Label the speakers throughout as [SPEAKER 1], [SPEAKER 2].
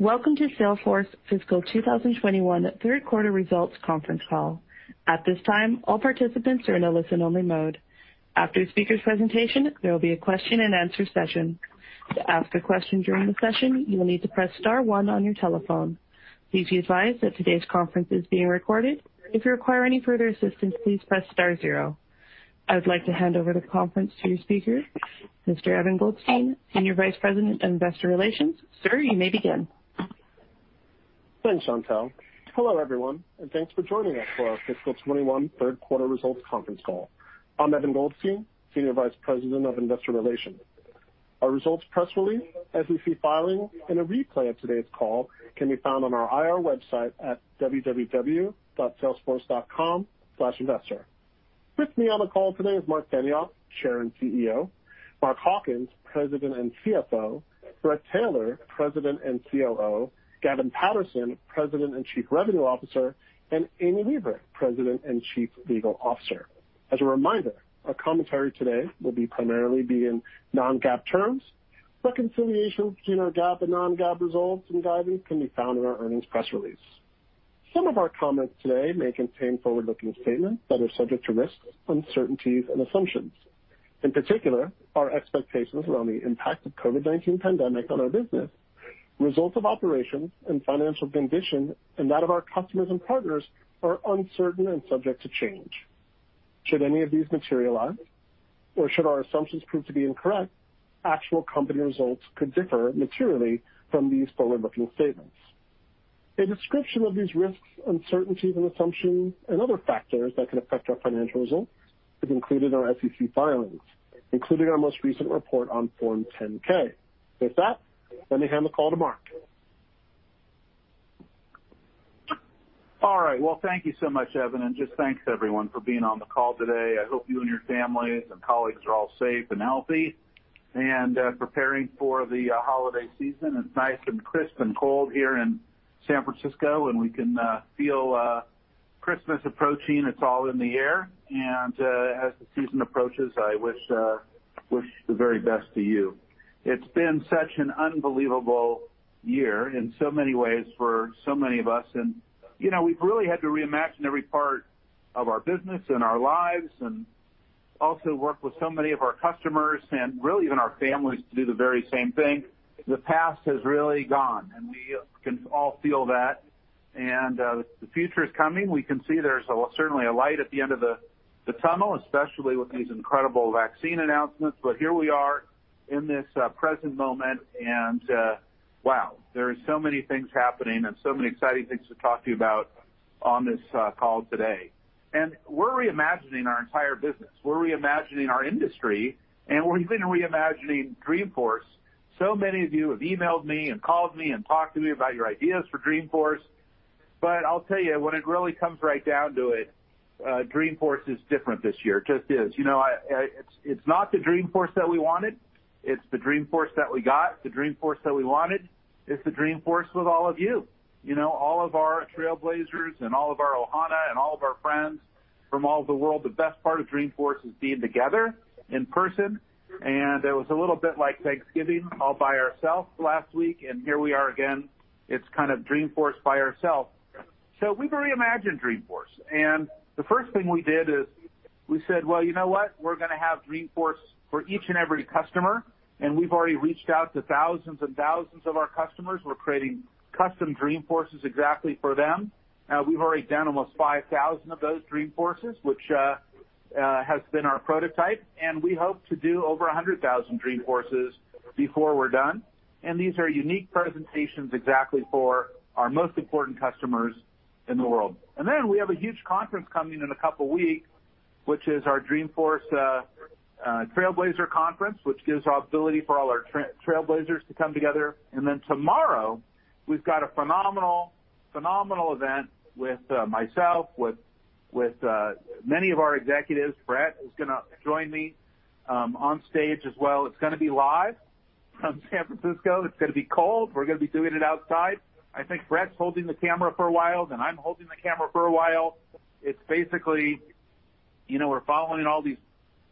[SPEAKER 1] Welcome to Salesforce's fiscal 2021 third quarter results conference call. At this time, all participants are in a listen-only mode. After the speaker's presentation, there will be a question-and-answer session. To ask a question during the session, you'll need to press star one on your telephone. Please be advised that today's conference is being recorded. If you require any further assistance, please press star zero. I would like to hand over the conference to your speaker, Mr. Evan Goldstein, Senior Vice President of Investor Relations. Sir, you may begin.
[SPEAKER 2] Thanks, Chantelle. Hello, everyone, and thanks for joining us for our Fiscal 2021 Third Quarter Results Conference Call. I'm Evan Goldstein, Senior Vice President of Investor Relations. Our results press release, SEC filing, and a replay of today's call can be found on our IR website at www.salesforce.com/investor. With me on the call today is Marc Benioff, Chair and CEO, Mark Hawkins, President and CFO, Bret Taylor, President and COO, Gavin Patterson, President and Chief Revenue Officer, and Amy Weaver, President and Chief Legal Officer. As a reminder, our commentary today will primarily be in non-GAAP terms. Reconciliation between our GAAP and non-GAAP results and guidance can be found in our earnings press release. Some of our comments today may contain forward-looking statements that are subject to risks, uncertainties, and assumptions. In particular, our expectations around the impact of COVID-19 pandemic on our business, results of operations, and financial condition, and that of our customers and partners, are uncertain and subject to change. Should any of these materialize or should our assumptions prove to be incorrect, actual company results could differ materially from these forward-looking statements. A description of these risks, uncertainties, and assumptions and other factors that could affect our financial results is included in our SEC filings, including our most recent report on Form 10-K. With that, let me hand the call to Marc.
[SPEAKER 3] All right. Well, thank you so much, Evan, just thanks, everyone, for being on the call today. I hope you and your families and colleagues are all safe and healthy and preparing for the holiday season. It's nice and crisp and cold here in San Francisco, we can feel Christmas approaching. It's all in the air. As the season approaches, I wish the very best to you. It's been such an unbelievable year in so many ways for so many of us, we've really had to reimagine every part of our business and our lives, and also work with so many of our customers and really even our families to do the very same thing. The past has really gone, we can all feel that. The future is coming. We can see there's certainly a light at the end of the tunnel, especially with these incredible vaccine announcements. Here we are in this present moment, and wow, there are so many things happening and so many exciting things to talk to you about on this call today. We're reimagining our entire business. We're reimagining our industry, and we've been reimagining Dreamforce. Many of you have emailed me and called me and talked to me about your ideas for Dreamforce, but I'll tell you, when it really comes right down to it, Dreamforce is different this year, just is. It's not the Dreamforce that we wanted. It's the Dreamforce that we got. The Dreamforce that we wanted is the Dreamforce with all of you. All of our Trailblazers and all of our Ohana and all of our friends from all over the world. The best part of Dreamforce is being together in person, and it was a little bit like Thanksgiving all by ourself last week, and here we are again. It's kind of Dreamforce by ourself. We've reimagined Dreamforce, and the first thing we did is we said, "Well, you know what? We're going to have Dreamforce for each and every customer," and we've already reached out to thousands and thousands of our customers. We're creating custom Dreamforces exactly for them. We've already done almost 5,000 of those Dreamforces, which has been our prototype, and we hope to do over 100,000 Dreamforces before we're done. These are unique presentations exactly for our most important customers in the world. We have a huge conference coming in a couple weeks, which is our Dreamforce Trailblazer Conference, which gives the opportunity for all our Trailblazers to come together. Then tomorrow, we've got a phenomenal event with myself, with many of our executives. Bret is going to join me on stage as well. It's going to be live from San Francisco. It's going to be cold. We're going to be doing it outside. I think Bret's holding the camera for a while, then I'm holding the camera for a while. It's basically we're following all these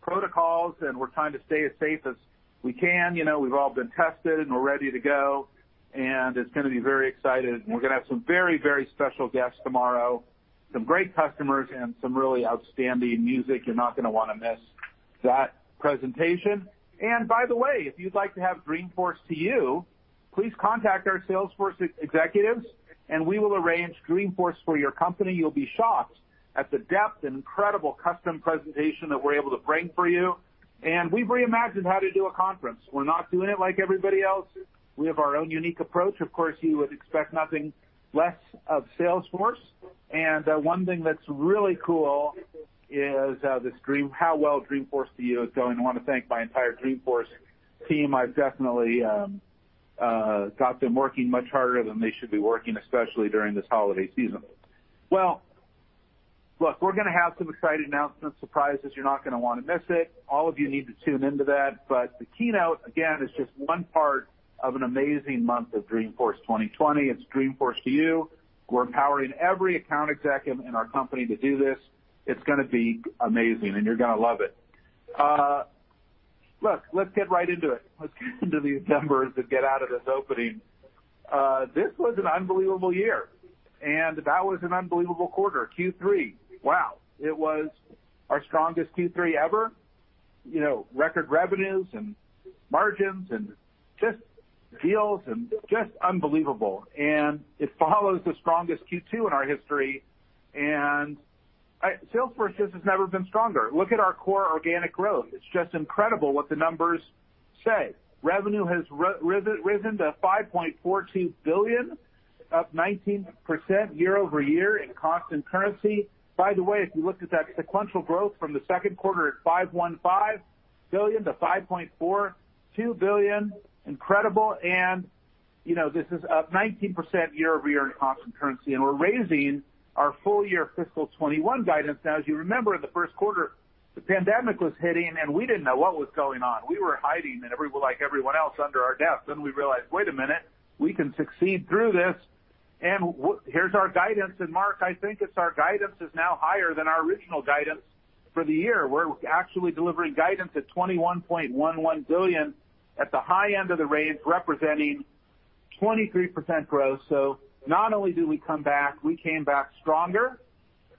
[SPEAKER 3] protocols, and we're trying to stay as safe as we can. We've all been tested, and we're ready to go, and it's going to be very exciting. We're going to have some very, very special guests tomorrow, some great customers, and some really outstanding music. You're not going to want to miss that presentation. By the way, if you'd like to have Dreamforce to You, please contact our Salesforce executives, and we will arrange Dreamforce for your company. You'll be shocked at the depth and incredible custom presentation that we're able to bring for you. We've reimagined how to do a conference. We're not doing it like everybody else. We have our own unique approach. Of course, you would expect nothing less of Salesforce. One thing that's really cool is how well Dreamforce to You is going. I want to thank my entire Dreamforce team. I've definitely got them working much harder than they should be working, especially during this holiday season. Look, we're going to have some exciting announcements, surprises. You're not going to want to miss it. All of you need to tune into that. The keynote, again, is just one part of an amazing month of Dreamforce 2020. It's Dreamforce to You. We're empowering every account executive in our company to do this. It's going to be amazing, and you're going to love it. Look, let's get right into it. Let's get into these numbers and get out of this opening. This was an unbelievable year, that was an unbelievable quarter, Q3. Wow. It was our strongest Q3 ever. Record revenues and margins and just deals, and just unbelievable. It follows the strongest Q2 in our history. Salesforce just has never been stronger. Look at our core organic growth. It's just incredible what the numbers say. Revenue has risen to $5.14 billion, up 19% year-over-year in constant currency. By the way, if you looked at that sequential growth from the second quarter at $5.15 billion-$5.42 billion, incredible, this is up 19% year-over-year in constant currency. We're raising our full year fiscal 2021 guidance. As you remember, in the first quarter, the pandemic was hitting and we didn't know what was going on. We were hiding, like everyone else, under our desks. We realized, wait a minute, we can succeed through this, and here's our guidance. Mark, I think it's our guidance is now higher than our original guidance for the year. We're actually delivering guidance at $21.11 billion at the high end of the range, representing 23% growth. Not only did we come back, we came back stronger,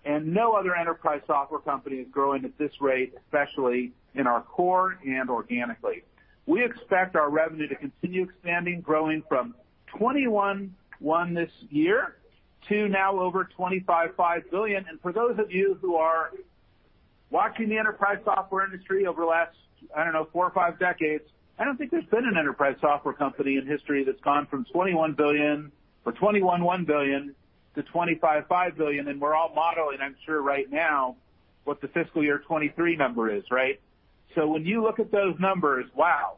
[SPEAKER 3] and no other enterprise software company is growing at this rate, especially in our core and organically. We expect our revenue to continue expanding, growing from $21.1 billion this year to now over $25.5 billion. For those of you who are watching the enterprise software industry over the last, I don't know, four or five decades, I don't think there's been an enterprise software company in history that's gone from $21 billion or $21.1 billion-$25.5 billion, and we're all modeling, I'm sure, right now what the fiscal year 2023 number is, right? When you look at those numbers, Wow,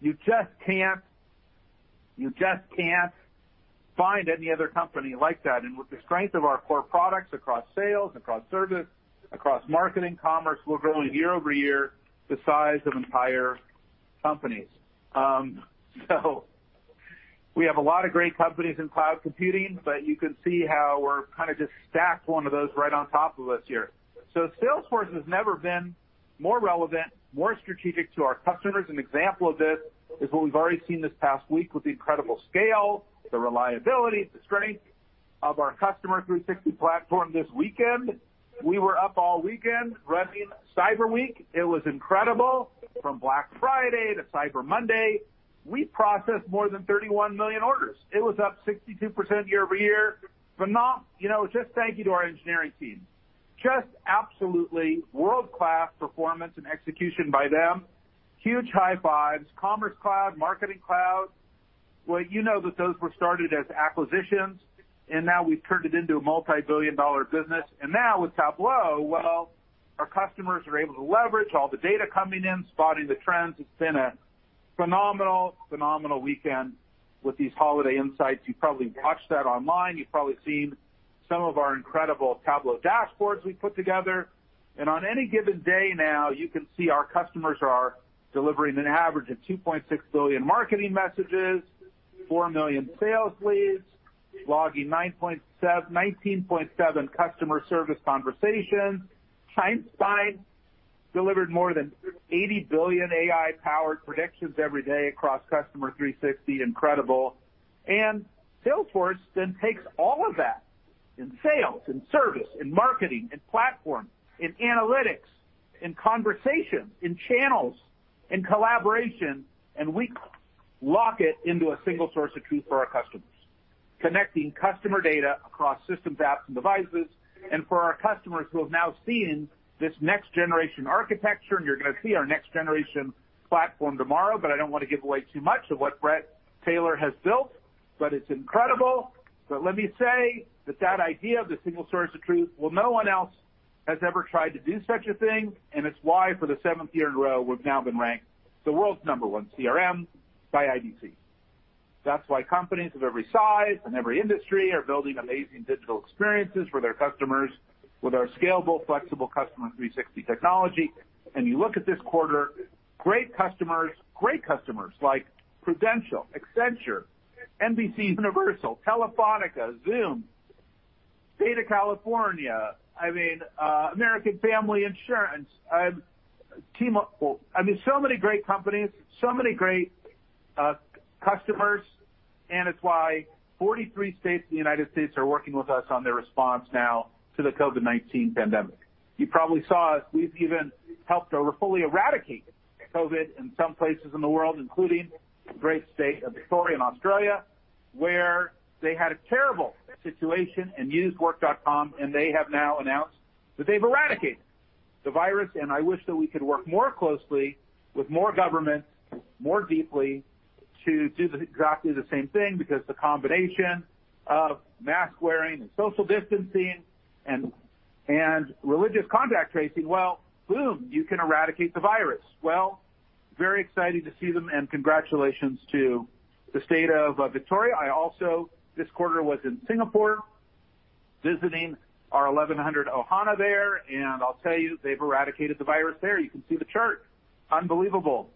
[SPEAKER 3] you just can't find any other company like that. With the strength of our core products across sales, across service, across marketing, commerce, we're growing year-over-year the size of entire companies. We have a lot of great companies in cloud computing, but you can see how we're kind of just stacked one of those right on top of us here. Salesforce has never been more relevant, more strategic to our customers. An example of this is what we've already seen this past week with the incredible scale, the reliability, the strength of our Customer 360 platform this weekend. We were up all weekend running Cyber Week. It was incredible. From Black Friday to Cyber Monday, we processed more than 31 million orders. It was up 62% year-over-year. Phenomenal. Just thank you to our engineering team. Just absolutely world-class performance and execution by them. Huge high fives. Commerce Cloud, Marketing Cloud. Well, you know that those were started as acquisitions. Now we've turned it into a multi-billion-dollar business. Now with Tableau, well, our customers are able to leverage all the data coming in, spotting the trends. It's been a phenomenal weekend with these holiday insights. You've probably watched that online. You've probably seen some of our incredible Tableau dashboards we've put together. On any given day now, you can see our customers are delivering an average of 2.6 billion marketing messages, 4 million sales leads, logging 19.7 million customer service conversations. Einstein delivered more than 80 billion AI-powered predictions every day across Customer 360. Incredible. Salesforce then takes all of that, in sales, in service, in marketing, in platform, in analytics, in conversation, in channels, in collaboration, and we lock it into a single source of truth for our customers, connecting customer data across systems, apps, and devices. For our customers who have now seen this next-generation architecture, and you're going to see our next-generation platform tomorrow, but I don't want to give away too much of what Bret Taylor has built, but it's incredible. Let me say that that idea of the single source of truth, well, no one else has ever tried to do such a thing, and it's why for the seventh year in a row, we've now been ranked the world's number one CRM by IDC. That's why companies of every size and every industry are building amazing digital experiences for their customers with our scalable, flexible Customer 360 technology. You look at this quarter, great customers like Prudential, Accenture, NBCUniversal, Telefónica, Zoom, State of California, I mean, American Family Insurance, T-Mobile. I mean, so many great companies, so many great customers, and it's why 43 states in the United States are working with us on their response now to the COVID-19 pandemic. You probably saw it. We've even helped to fully eradicate COVID in some places in the world, including the great state of Victoria in Australia, where they had a terrible situation and used Work.com, they have now announced that they've eradicated the virus. I wish that we could work more closely with more governments, more deeply, to do exactly the same thing, because the combination of mask-wearing and social distancing and rigorous contact tracing, well, boom, you can eradicate the virus. Very exciting to see them, congratulations to the state of Victoria. I also, this quarter, was in Singapore visiting our 1,100 Ohana there, I'll tell you, they've eradicated the virus there. You can see the chart. Unbelievable.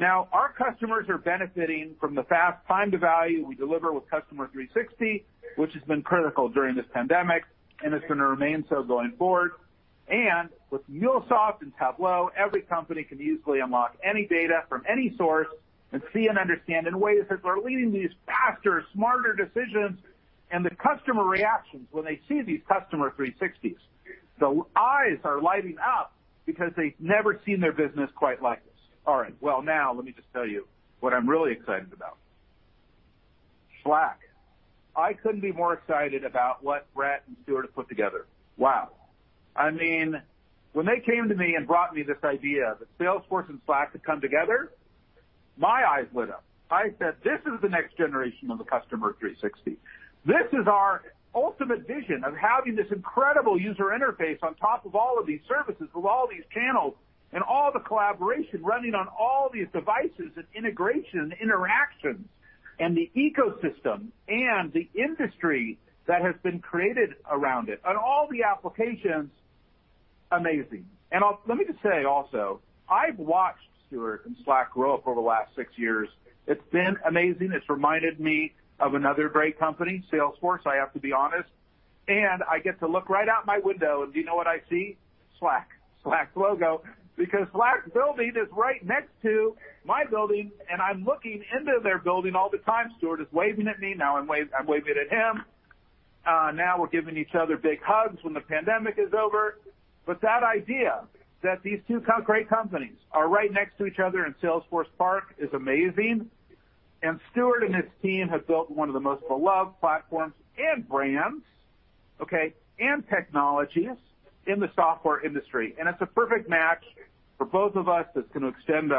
[SPEAKER 3] Our customers are benefiting from the fast time to value we deliver with Customer 360, which has been critical during this pandemic, it's going to remain so going forward. With MuleSoft and Tableau, every company can easily unlock any data from any source and see and understand in ways that are leading to faster, smarter decisions, and the customer reactions when they see these Customer 360s. Eyes are lighting up because they've never seen their business quite like this. All right. Now let me just tell you what I'm really excited about. Slack. I couldn't be more excited about what Bret and Stewart have put together. Wow. When they came to me and brought me this idea that Salesforce and Slack could come together, my eyes lit up. I said, "This is the next generation of the Customer 360." This is our ultimate vision of having this incredible user interface on top of all of these services, with all these channels, and all the collaboration running on all these devices. It's integration, interaction, and the ecosystem and the industry that has been created around it, and all the applications. Amazing. Let me just say also, I've watched Stewart and Slack grow over the last six years. It's been amazing. It's reminded me of another great company, Salesforce, I have to be honest. I get to look right out my window. Do you know what I see? Slack. Slack logo. Because Slack is building it right next to my building, and I'm looking into it. They're building all the time. Stewart is waving at me now. I'm waving at him. Now we're giving each other big hugs when the pandemic is over. That idea that these two great companies are right next to each other in Salesforce Park is amazing. Stewart and his team have built one of the most beloved platforms and brands, okay, and technologies in the software industry. It's a perfect match for both of us that's going to extend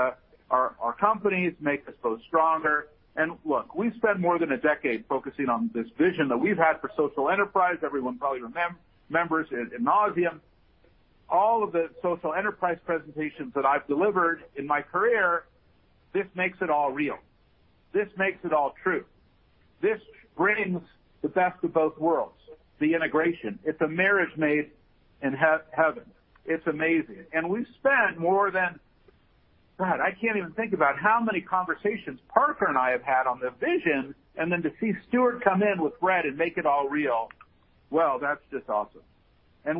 [SPEAKER 3] our companies, make us both stronger. Look, we've spent more than a decade focusing on this vision that we've had for social enterprise. Everyone probably remembers it ad nauseam. All of the social enterprise presentations that I've delivered in my career, this makes it all real. This makes it all true. This brings the best of both worlds, the integration. It's a marriage made in heaven. It's amazing. We've spent God, I can't even think about how many conversations Parker and I have had on this vision, and then to see Stewart come in with Bret and make it all real, well, that's just awesome.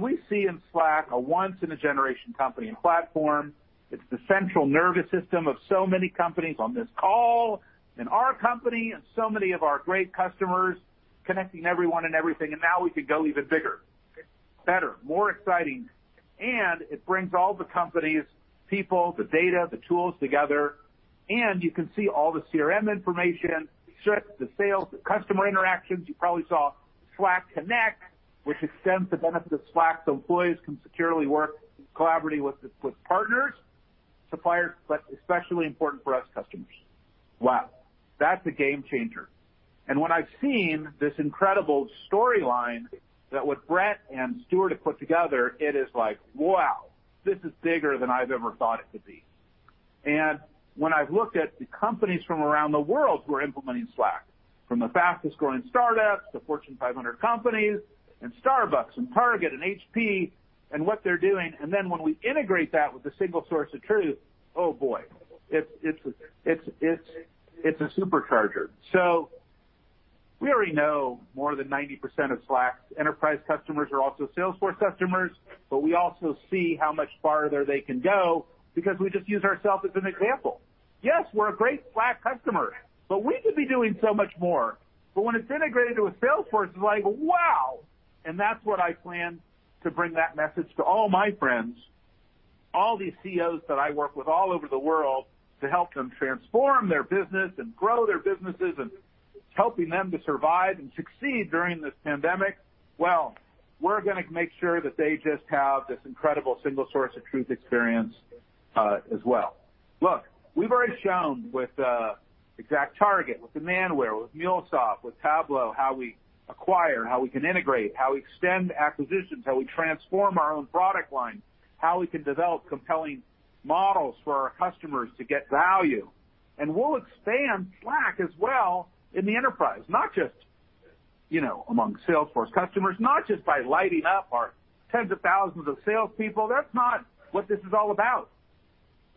[SPEAKER 3] We see in Slack a once-in-a-generation company and platform. It's the central nervous system of so many companies on this call, and our company, and so many of our great customers, connecting everyone and everything. Now we could go even bigger, better, more exciting. It brings all the companies, people, the data, the tools together. You can see all the CRM information, the sales, the customer interactions. You probably saw Slack Connect, which extends the benefits of Slack so employees can securely work collaborating with partners, suppliers, but especially important for us, customers. Wow. That's a game changer. When I've seen this incredible storyline that what Bret and Stewart have put together, it is like, wow, this is bigger than I've ever thought it could be. When I've looked at the companies from around the world who are implementing Slack, from a fastest-growing startup to Fortune 500 companies, and Starbucks, and Target, and HP, and what they're doing, then when we integrate that with a single source of truth, oh, boy. It's a supercharger. We already know more than 90% of Slack enterprise customers are also Salesforce customers, but we also see how much farther they can go because we just use ourselves as an example. Yes, we're a great Slack customer, we could be doing so much more. When it's integrated with Salesforce, it's like, wow. That's what I plan to bring that message to all my friends, all these CEOs that I work with all over the world to help them transform their business and grow their businesses, and helping them to survive and succeed during this pandemic. Well, we're going to make sure that they just have this incredible single source of truth experience as well. Look, we've already shown with ExactTarget, with Demandware, with MuleSoft, with Tableau, how we acquire, how we can integrate, how we extend acquisitions, how we transform our own product line, how we can develop compelling models for our customers to get value. We'll expand Slack as well in the enterprise, not just among Salesforce customers, not just by lighting up our tens of thousands of salespeople. That's not what this is all about.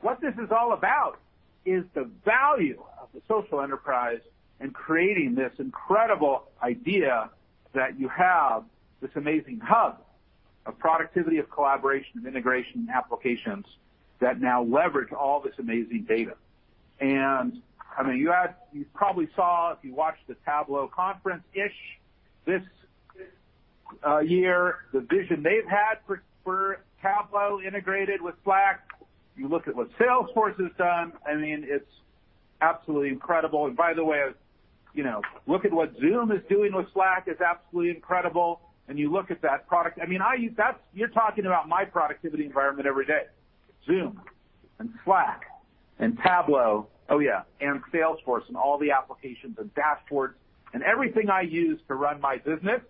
[SPEAKER 3] What this is all about is the value of the social enterprise and creating this incredible idea that you have this amazing hub of productivity, of collaboration, of integration, and applications that now leverage all this amazing data. You probably saw, if you watched the Tableau Conference this year, the vision they've had for Tableau integrated with Slack. You look at what Salesforce has done. It's absolutely incredible. By the way, look at what Zoom is doing with Slack. It's absolutely incredible. You look at that product. You're talking about my productivity environment every day, Zoom and Slack and Tableau. Oh, yeah, and Salesforce, and all the applications and dashboards. Everything I use to run my business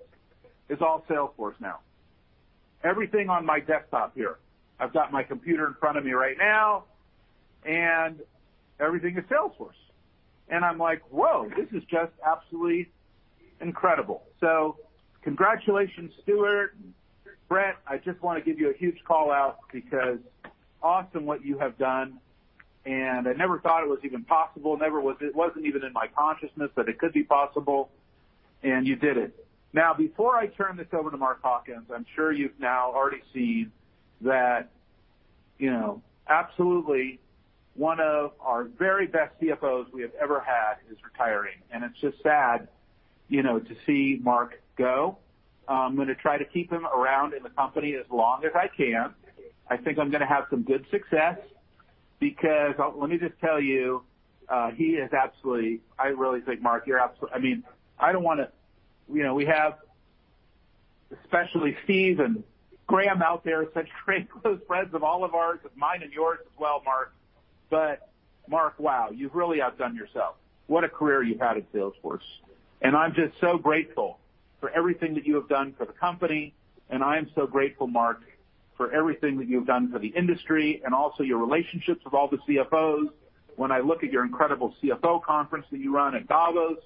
[SPEAKER 3] is all Salesforce now. Everything on my desktop here. I've got my computer in front of me right now, and everything is Salesforce. I'm like, "Whoa, this is just absolutely incredible." Congratulations, Stewart and Bret, I just want to give you a huge call-out because awesome what you have done, and I never thought it was even possible. It wasn't even in my consciousness that it could be possible. You did it. Before I turn this over to Mark Hawkins, I'm sure you've now already seen that absolutely one of our very best CFOs we have ever had is retiring. It's just sad to see Mark go. I'm going to try to keep him around in the company as long as I can. I think I'm going to have some good success because let me just tell you, he is absolutely. We have, especially Steve and Graham out there, such great close friends of all of ours, of mine, and yours as well, Mark. Mark, wow, you've really outdone yourself. What a career you've had at Salesforce, and I'm just so grateful for everything that you have done for the company, and I am so grateful, Mark, for everything that you've done for the industry and also your relationships with all the CFOs. When I look at your incredible CFO conference that you run at Davos,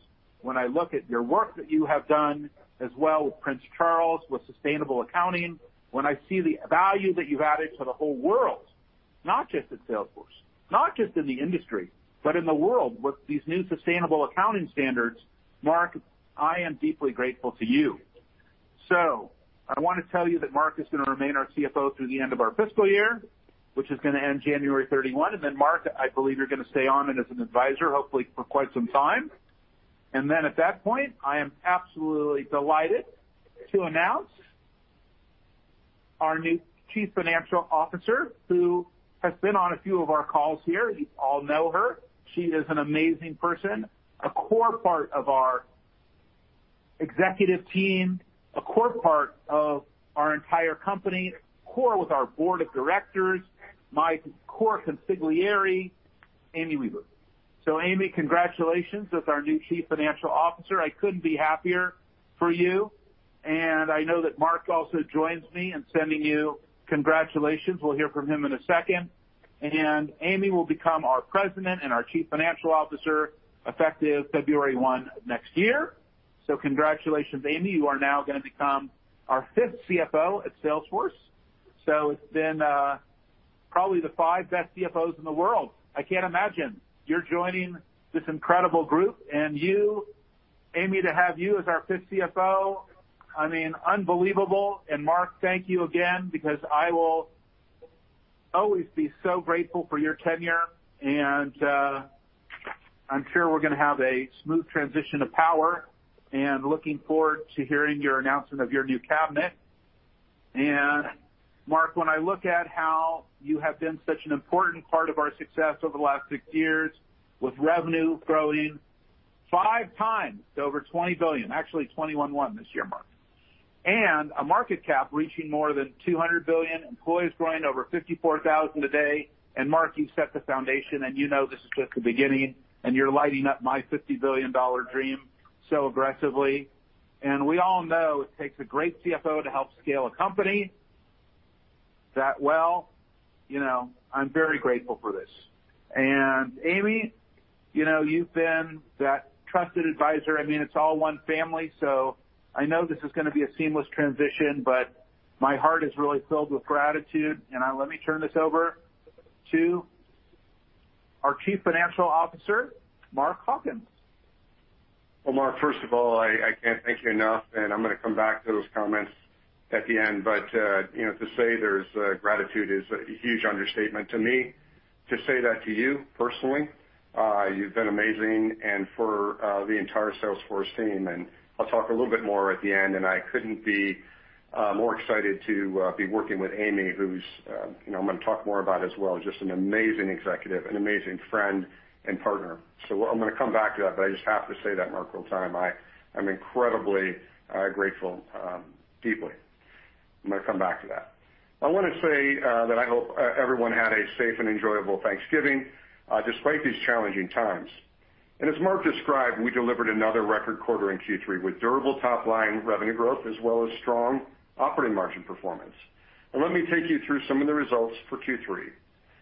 [SPEAKER 3] when I look at your work that you have done as well with Prince Charles, with sustainable accounting, when I see the value that you've added to the whole world, not just at Salesforce, not just in the industry, but in the world with these new sustainable accounting standards, Mark, I am deeply grateful to you. I want to tell you that Mark is going to remain our CFO through the end of our fiscal year, which is going to end January 31. Then, Mark, I believe you're going to stay on as an advisor, hopefully for quite some time. Then at that point, I am absolutely delighted to announce our new Chief Financial Officer, who has been on a few of our calls here. You all know her. She is an amazing person, a core part of our executive team, a core part of our entire company, core with our board of directors, my core consigliere, Amy Weaver. Amy, congratulations as our new Chief Financial Officer. I couldn't be happier for you, and I know that Mark also joins me in sending you congratulations. We'll hear from him in a second. Amy will become our President and our Chief Financial Officer effective February 1 of next year. Congratulations, Amy. You are now going to become our fifth CFO at Salesforce. It's been probably the five best CFOs in the world. I can't imagine. You're joining this incredible group, and you, Amy, to have you as our fifth CFO, unbelievable. Mark, thank you again, because I will always be so grateful for your tenure, and I'm sure we're going to have a smooth transition of power, and looking forward to hearing your announcement of your new cabinet. Mark, when I look at how you have been such an important part of our success over the last six years, with revenue growing five times to over $20 billion, actually $21.1 this year, Mark. A market cap reaching more than $200 billion, employees growing over 54,000 today. Mark, you've set the foundation, and you know this is just the beginning, and you're lighting up my $50 billion dream so aggressively. We all know it takes a great CFO to help scale a company that well. I'm very grateful for this. Amy, you've been that trusted advisor. It's all one family, so I know this is going to be a seamless transition, but my heart is really filled with gratitude. Let me turn this over to our Chief Financial Officer, Mark Hawkins.
[SPEAKER 4] Well, Marc, first of all, I can't thank you enough, and I'm going to come back to those comments at the end. To say there's gratitude is a huge understatement to me. To say that to you personally, you've been amazing, and for the entire Salesforce team, and I'll talk a little bit more at the end, and I couldn't be more excited to be working with Amy, who I'm going to talk more about as well, just an amazing executive, an amazing friend and partner. I'm going to come back to that, I just have to say that, Marc, real time. I am incredibly grateful, deeply. I'm going to come back to that. I want to say that I hope everyone had a safe and enjoyable Thanksgiving, despite these challenging times. As Marc described, we delivered another record quarter in Q3 with durable top-line revenue growth as well as strong operating margin performance. Let me take you through some of the results for Q3,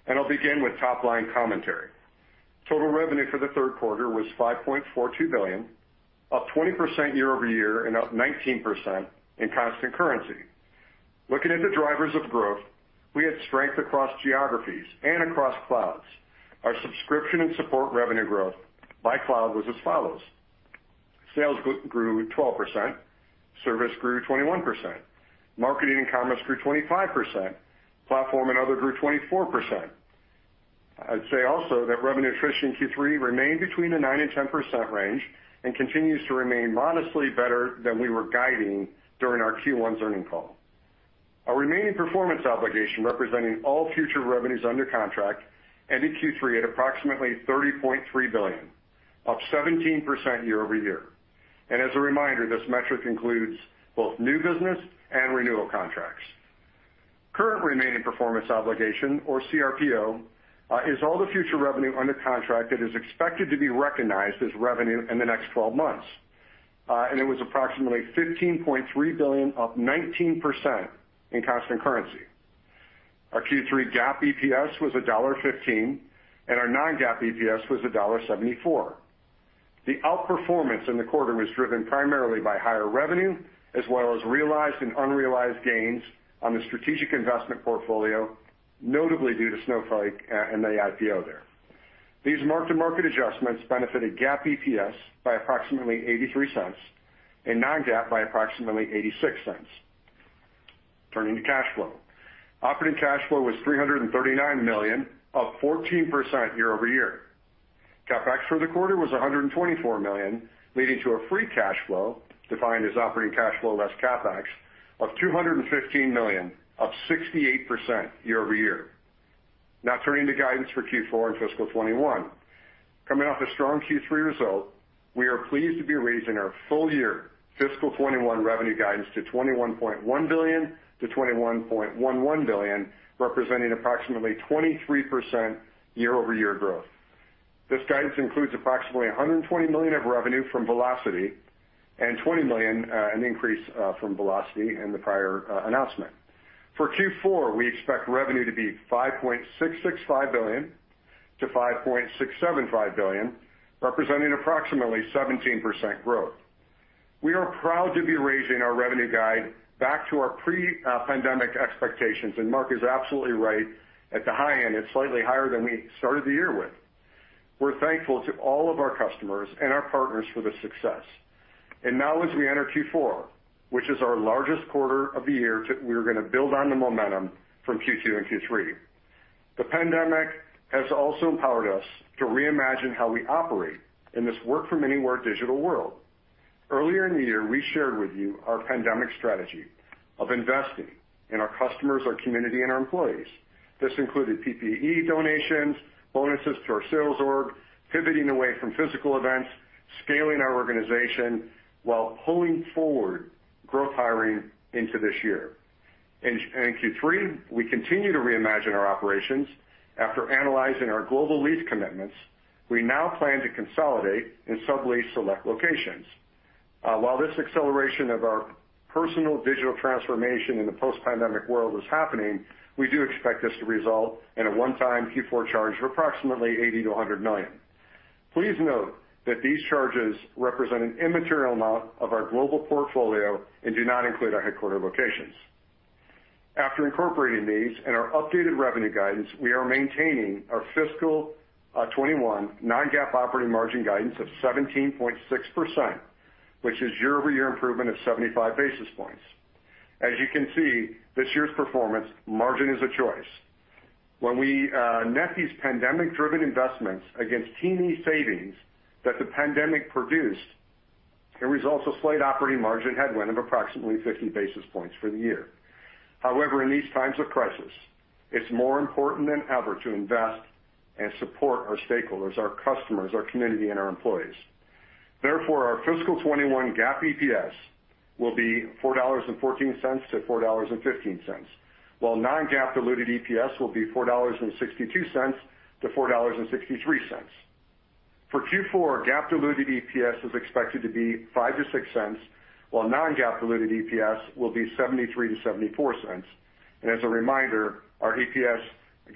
[SPEAKER 4] I'll begin with top-line commentary. Total revenue for the third quarter was $5.42 billion, up 20% year-over-year and up 19% in constant currency. Looking at the drivers of growth, we had strength across geographies and across clouds. Our subscription and support revenue growth by cloud was as follows: Sales grew 12%, Service grew 21%, Marketing and Commerce grew 25%, Platform and Other grew 24%. I'd say also that revenue attrition in Q3 remained between the 9% and 10% range and continues to remain modestly better than we were guiding during our Q1's earnings call. Our remaining performance obligation, representing all future revenues under contract, ended Q3 at approximately $30.3 billion, up 17% year-over-year. As a reminder, this metric includes both new business and renewal contracts. Current remaining performance obligation, or CRPO, is all the future revenue under contract that is expected to be recognized as revenue in the next 12 months. It was approximately $15.3 billion, up 19% in constant currency. Our Q3 GAAP EPS was $1.15, and our non-GAAP EPS was $1.74. The outperformance in the quarter was driven primarily by higher revenue as well as realized and unrealized gains on the strategic investment portfolio, notably due to Snowflake and the IPO there. These mark-to-market adjustments benefited GAAP EPS by approximately $0.83 and non-GAAP by approximately $0.86. Turning to cash flow. Operating cash flow was $339 million, up 14% year-over-year. CapEx for the quarter was $124 million, leading to a free cash flow, defined as operating cash flow less CapEx, of $215 million, up 68% year-over-year. Now turning to guidance for Q4 and fiscal 2021. Coming off a strong Q3 result, we are pleased to be raising our full year fiscal 2021 revenue guidance to $21.1 billion-$21.11 billion, representing approximately 23% year-over-year growth. This guidance includes approximately $120 million of revenue from Vlocity and $20 million, an increase from Vlocity in the prior announcement. For Q4, we expect revenue to be $5.665 billion-$5.675 billion, representing approximately 17% growth. We are proud to be raising our revenue guide back to our pre-pandemic expectations. Mark is absolutely right. At the high end, it's slightly higher than we started the year with. We're thankful to all of our customers and our partners for the success. Now as we enter Q4, which is our largest quarter of the year, we're going to build on the momentum from Q2 and Q3. The pandemic has also empowered us to reimagine how we operate in this work-from-anywhere digital world. Earlier in the year, we shared with you our pandemic strategy of investing in our customers, our community, and our employees. This included PPE donations, bonuses to our sales org, pivoting away from physical events, scaling our organization while pulling forward growth hiring into this year. In Q3, we continue to reimagine our operations. After analyzing our global lease commitments, we now plan to consolidate and sublease select locations. While this acceleration of our personal digital transformation in the post-pandemic world is happening, we do expect this to result in a one-time Q4 charge of approximately $80 million-$100 million. Please note that these charges represent an immaterial amount of our global portfolio and do not include our headquarter locations. After incorporating these and our updated revenue guidance, we are maintaining our fiscal 2021 non-GAAP operating margin guidance of 17.6%, which is year-over-year improvement of 75 basis points. As you can see, this year's performance margin is a choice. When we net these pandemic-driven investments against T&E savings that the pandemic produced, it results a slight operating margin headwind of approximately 50 basis points for the year. However, in these times of crisis, it's more important than ever to invest and support our stakeholders, our customers, our community, and our employees. Therefore, our fiscal 2021 GAAP EPS will be $4.14-$4.15, while non-GAAP diluted EPS will be $4.62-$4.63. For Q4, GAAP diluted EPS is expected to be $0.05-$0.06, while non-GAAP diluted EPS will be $0.73-$0.74. As a reminder, our EPS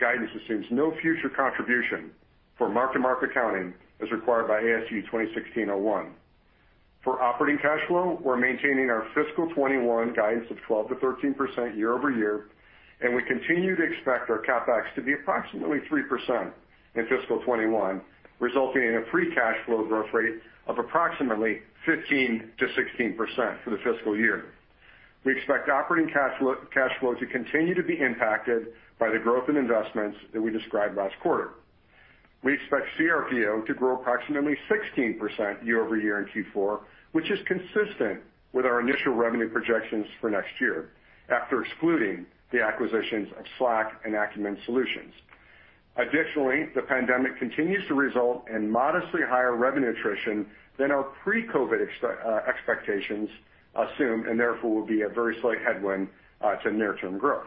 [SPEAKER 4] guidance assumes no future contribution for mark-to-market accounting as required by ASU 2016-01. For operating cash flow, we're maintaining our fiscal 2021 guidance of 12%-13% year-over-year, and we continue to expect our CapEx to be approximately 3% in fiscal 2021, resulting in a free cash flow growth rate of approximately 15%-16% for the fiscal year. We expect operating cash flow to continue to be impacted by the growth in investments that we described last quarter. We expect CRPO to grow approximately 16% year-over-year in Q4, which is consistent with our initial revenue projections for next year after excluding the acquisitions of Slack and Acumen Solutions. Additionally, the pandemic continues to result in modestly higher revenue attrition than our pre-COVID expectations assumed and therefore will be a very slight headwind to near-term growth.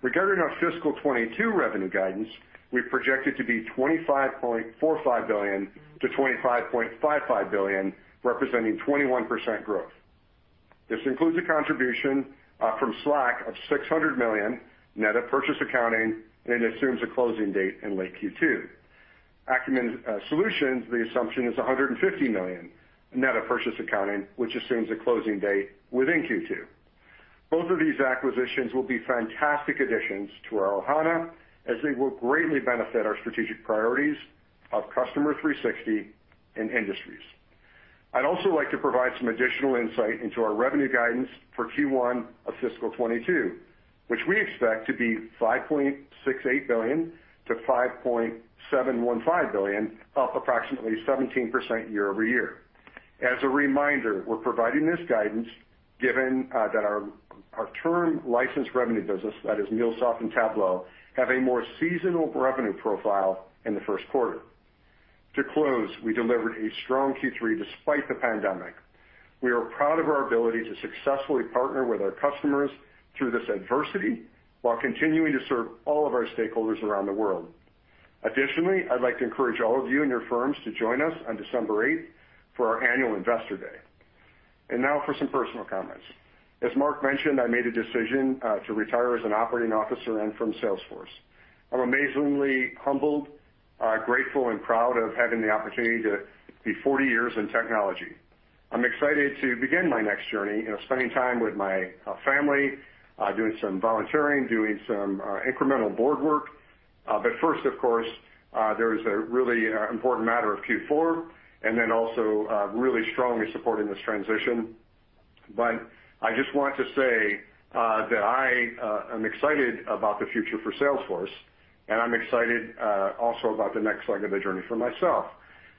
[SPEAKER 4] Regarding our fiscal 2022 revenue guidance, we project it to be $25.45 billion-$25.55 billion, representing 21% growth. This includes a contribution from Slack of $600 million net of purchase accounting, and it assumes a closing date in late Q2. Acumen Solutions, the assumption is $150 million net of purchase accounting, which assumes a closing date within Q2. Both of these acquisitions will be fantastic additions to our Ohana as they will greatly benefit our strategic priorities of Customer 360 and Industries. I'd also like to provide some additional insight into our revenue guidance for Q1 of fiscal 2022, which we expect to be $5.68 billion-$5.715 billion, up approximately 17% year-over-year. As a reminder, we're providing this guidance given that our term licensed revenue business, that is MuleSoft and Tableau, have a more seasonal revenue profile in the first quarter. To close, we delivered a strong Q3 despite the pandemic. We are proud of our ability to successfully partner with our customers through this adversity while continuing to serve all of our stakeholders around the world. I'd like to encourage all of you and your firms to join us on December 8th for our annual Investor Day. Now for some personal comments. As Marc mentioned, I made a decision to retire as an operating officer and from Salesforce. I'm amazingly humbled, grateful, and proud of having the opportunity to be 40 years in technology. I'm excited to begin my next journey, spending time with my family, doing some volunteering, doing some incremental board work. First, of course, there is a really important matter of Q4, and then also really strongly supporting this transition. I just want to say that I am excited about the future for Salesforce, and I'm excited also about the next leg of the journey for myself.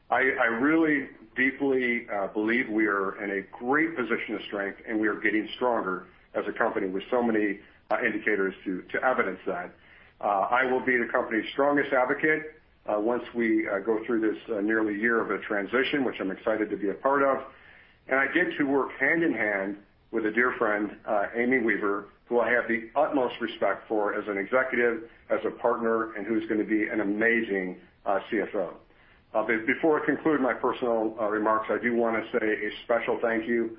[SPEAKER 4] I really deeply believe we are in a great position of strength, and we are getting stronger as a company with so many indicators to evidence that. I will be the company's strongest advocate once we go through this nearly year of a transition, which I'm excited to be a part of. I get to work hand-in-hand with a dear friend, Amy Weaver, who I have the utmost respect for as an executive, as a partner, and who's going to be an amazing CFO. Before I conclude my personal remarks, I do want to say a special thank you to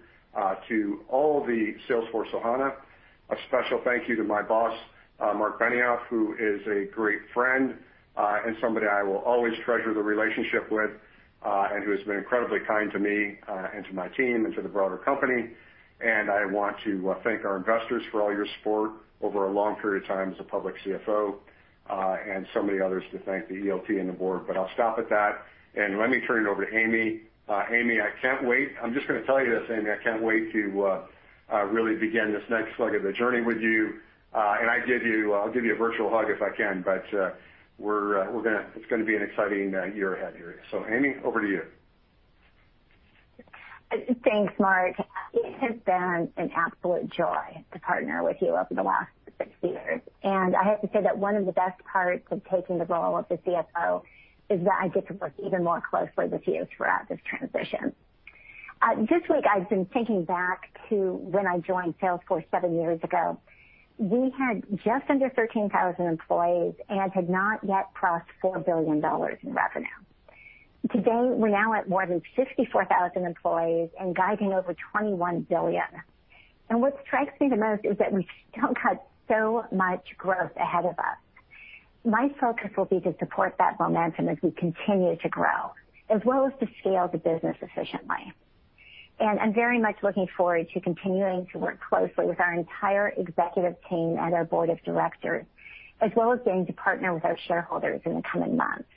[SPEAKER 4] all the Salesforce Ohana, a special thank you to my boss, Marc Benioff, who is a great friend and somebody I will always treasure the relationship with, and who has been incredibly kind to me and to my team and to the broader company. I want to thank our investors for all your support over a long period of time as a public CFO, and so many others to thank, the ELT and the board, I'll stop at that. Let me turn it over to Amy. Amy, I can't wait. I'm just going to tell you this, Amy, I can't wait to really begin this next leg of the journey with you. I'll give you a virtual hug if I can, but it's going to be an exciting year ahead here. Amy, over to you.
[SPEAKER 5] Thanks, Mark. It has been an absolute joy to partner with you over the last six years, and I have to say that one of the best parts of taking the role of the CFO is that I get to work even more closely with you throughout this transition. This week, I've been thinking back to when I joined Salesforce seven years ago. We had just under 13,000 employees and had not yet crossed $4 billion in revenue. Today, we're now at more than 54,000 employees and guiding over $21 billion. What strikes me the most is that we still have so much growth ahead of us. My focus will be to support that momentum as we continue to grow, as well as to scale the business efficiently. I'm very much looking forward to continuing to work closely with our entire executive team and our board of directors, as well as getting to partner with our shareholders in the coming months.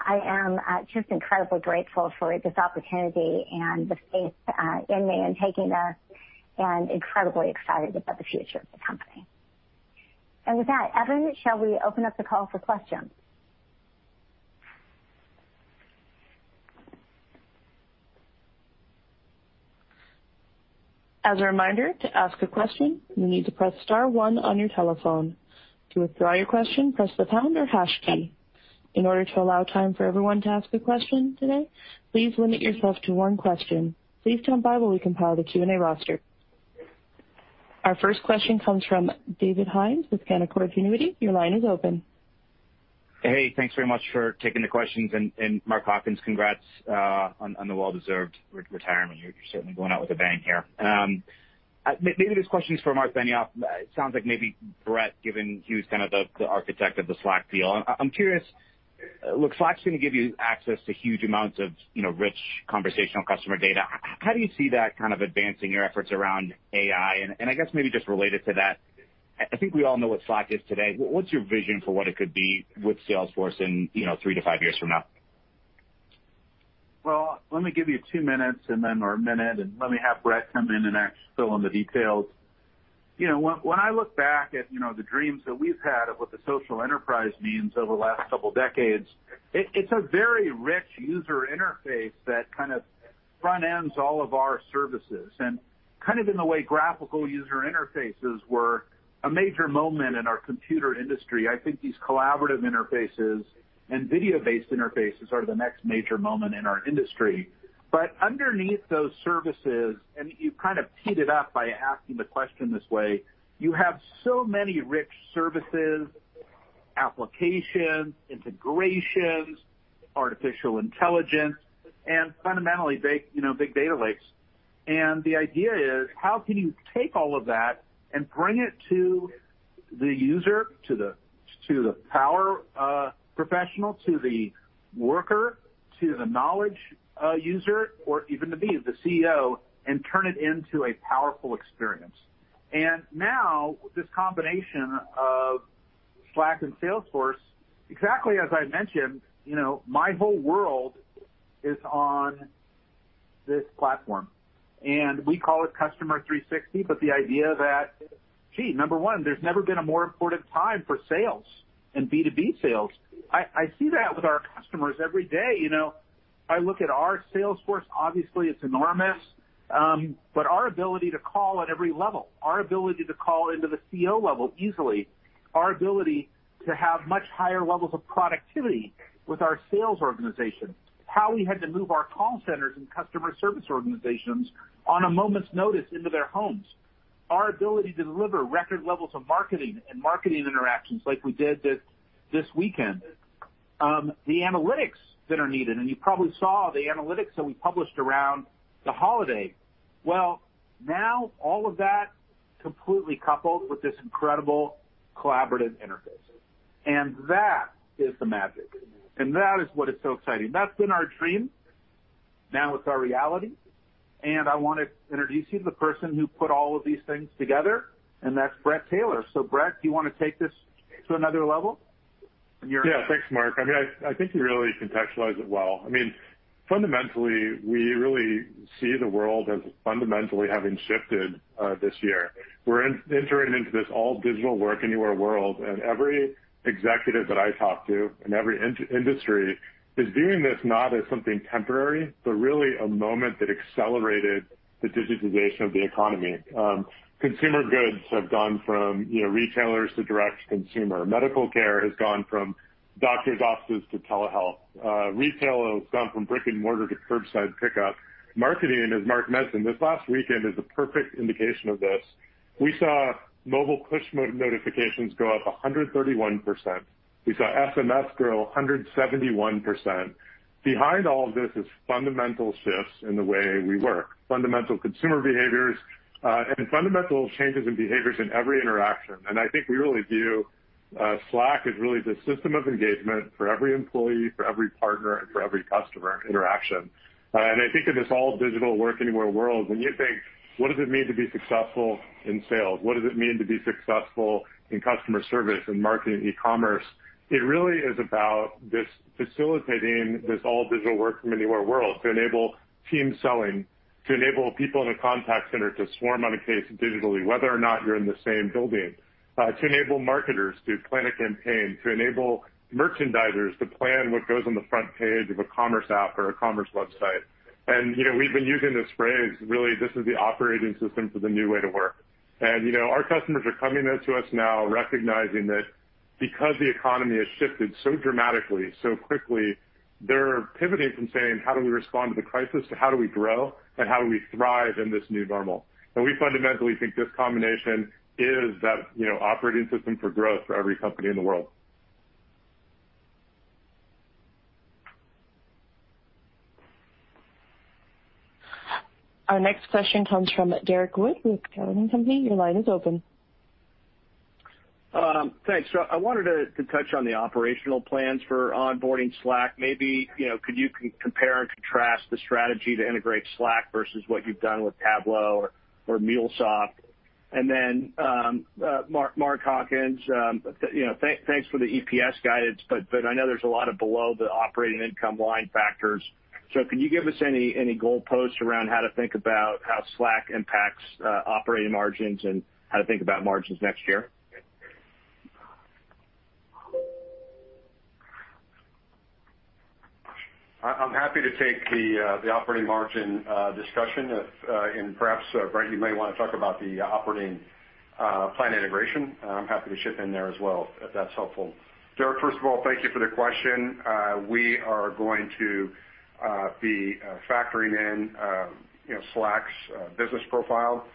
[SPEAKER 5] I am just incredibly grateful for this opportunity and the faith in me in taking this, and incredibly excited about the future of the company. With that, Evan, shall we open up the call for questions?
[SPEAKER 1] As a reminder, to ask a question, you need to press star one on your telephone. To withdraw your question, press the pound or hash key. In order to allow time for everyone to ask a question today, please limit yourself to one question. Please stand by while we compile the Q&A roster. Our first question comes from David Hynes with Canaccord Genuity. Your line is open.
[SPEAKER 6] Hey, thanks very much for taking the questions, and Mark Hawkins, congrats on the well-deserved retirement. You're certainly going out with a bang here. Maybe this question is for Marc Benioff. It sounds like maybe Bret, given he was kind of the architect of the Slack deal. I'm curious, look, Slack's going to give you access to huge amounts of rich conversational customer data. How do you see that kind of advancing your efforts around AI? I guess maybe just related to that, I think we all know what Slack is today. What's your vision for what it could be with Salesforce in three to five years from now?
[SPEAKER 3] Well, let me give you two minutes or a minute. Let me have Bret come in and fill in the details. When I look back at the dreams that we've had of what the social enterprise means over the last couple of decades, it's a very rich user interface that kind of front-ends all of our services. Kind of in the way graphical user interfaces were a major moment in our computer industry, I think these collaborative interfaces and video-based interfaces are the next major moment in our industry. Underneath those services, and you kind of teed it up by asking the question this way, you have so many rich services, applications, integrations, artificial intelligence, and fundamentally, big data lakes. The idea is, how can you take all of that and bring it to the user, to the power professional, to the worker, to the knowledge user, or even the CEO, and turn it into a powerful experience? Now, this combination of Slack and Salesforce, exactly as I mentioned, my whole world is on this platform. We call it Customer 360, but the idea that, gee, number one, there's never been a more important time for sales and B2B sales. I see that with our customers every day. I look at our Salesforce, obviously, it's enormous, but our ability to call at every level, our ability to call into the CEO level easily, our ability to have much higher levels of productivity with our sales organization, how we had to move our call centers and customer service organizations on a moment's notice into their homes, our ability to deliver record levels of marketing and marketing interactions like we did this weekend. The analytics that are needed. You probably saw the analytics that we published around the holiday. Well, now all of that completely coupled with this incredible collaborative interface. That is the magic. That is what is so exciting. That's been our dream. Now it's our reality. I want to introduce you to the person who put all of these things together. That's Bret Taylor. Bret, do you want to take this to another level?
[SPEAKER 7] Yeah. Thanks, Marc. I think you really contextualized it well. Fundamentally, we really see the world as fundamentally having shifted this year. We're entering into this all digital work anywhere world. Every executive that I talk to in every industry is viewing this not as something temporary, but really a moment that accelerated the digitization of the economy. Consumer goods have gone from retailers to direct consumer. Medical care has gone from doctor's offices to telehealth. Retail has gone from brick and mortar to curbside pickup. Marketing, as Marc mentioned, this last weekend is a perfect indication of this. We saw mobile push notifications go up 131%. We saw SMS grow 171%. Behind all of this is fundamental shifts in the way we work, fundamental consumer behaviors. Fundamental changes in behaviors in every interaction. I think we really view Slack as really the system of engagement for every employee, for every partner, and for every customer interaction. I think in this all digital work anywhere world, when you think, what does it mean to be successful in sales? What does it mean to be successful in customer service, in marketing, e-commerce? It really is about this facilitating this all digital work from anywhere world to enable team selling, to enable people in a contact center to swarm on a case digitally, whether or not you're in the same building, to enable marketers to plan a campaign, to enable merchandisers to plan what goes on the front page of a commerce app or a commerce website. We've been using this phrase, really, this is the operating system for the new way to work. Our customers are coming to us now recognizing that because the economy has shifted so dramatically, so quickly, they're pivoting from saying, "How do we respond to the crisis?" to, "How do we grow, and how do we thrive in this new normal?" We fundamentally think this combination is that operating system for growth for every company in the world.
[SPEAKER 1] Our next question comes from Derrick Wood with Cowen Company. Your line is open.
[SPEAKER 8] Thanks. I wanted to touch on the operational plans for onboarding Slack. Maybe, could you compare and contrast the strategy to integrate Slack versus what you've done with Tableau or MuleSoft? Mark Hawkins, thanks for the EPS guidance, but I know there's a lot of below the operating income line factors. Can you give us any goalposts around how to think about how Slack impacts operating margins and how to think about margins next year?
[SPEAKER 4] I'm happy to take the operating margin discussion. Perhaps, Bret, you may want to talk about the operating plan integration. I'm happy to chip in there as well, if that's helpful. Derrick, first of all, thank you for the question. We are going to be factoring in Slack's business profile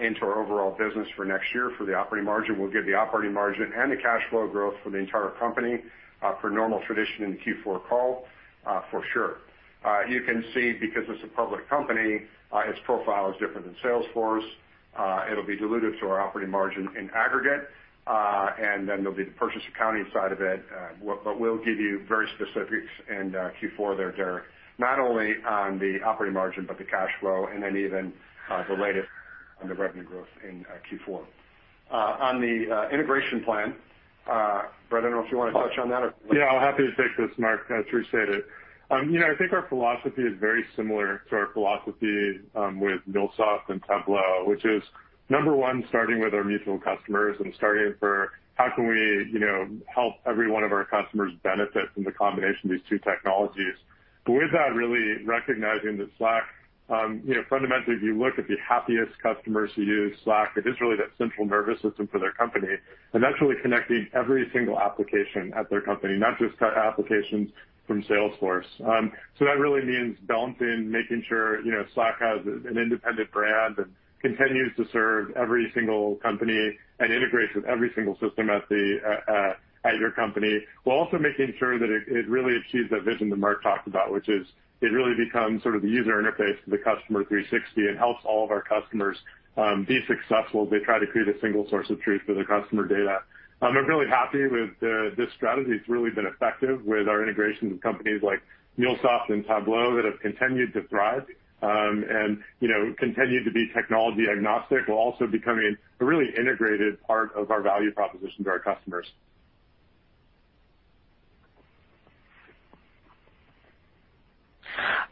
[SPEAKER 4] into our overall business for next year for the operating margin. We'll give the operating margin and the cash flow growth for the entire company for normal tradition in the Q4 call for sure. You can see, because it's a public company, its profile is different than Salesforce. It'll be dilutive to our operating margin in aggregate, and then there'll be the purchase accounting side of it. We'll give you very specifics in Q4 there, Derrick, not only on the operating margin, but the cash flow, and then even the latest on the revenue growth in Q4. On the integration plan, Bret, I don't know if you want to touch on that or?
[SPEAKER 7] Yeah, I'll be happy to take this, Mark. I appreciate it. I think our philosophy is very similar to our philosophy with MuleSoft and Tableau, which is, number one, starting with our mutual customers and starting for how can we help every one of our customers benefit from the combination of these two technologies. With that, really recognizing that Slack, fundamentally, if you look at the happiest customers who use Slack, it is really that central nervous system for their company, and that's really connecting every single application at their company, not just applications from Salesforce. That really means balancing, making sure Slack has an independent brand that continues to serve every single company and integrates with every single system at your company, while also making sure that it really achieves that vision that Mark talked about, which is it really becomes sort of the user interface for the Customer 360 and helps all of our customers be successful as they try to create a single source of truth for their customer data. I'm really happy with this strategy. It's really been effective with our integrations with companies like MuleSoft and Tableau that have continued to thrive and continued to be technology-agnostic while also becoming a really integrated part of our value proposition to our customers.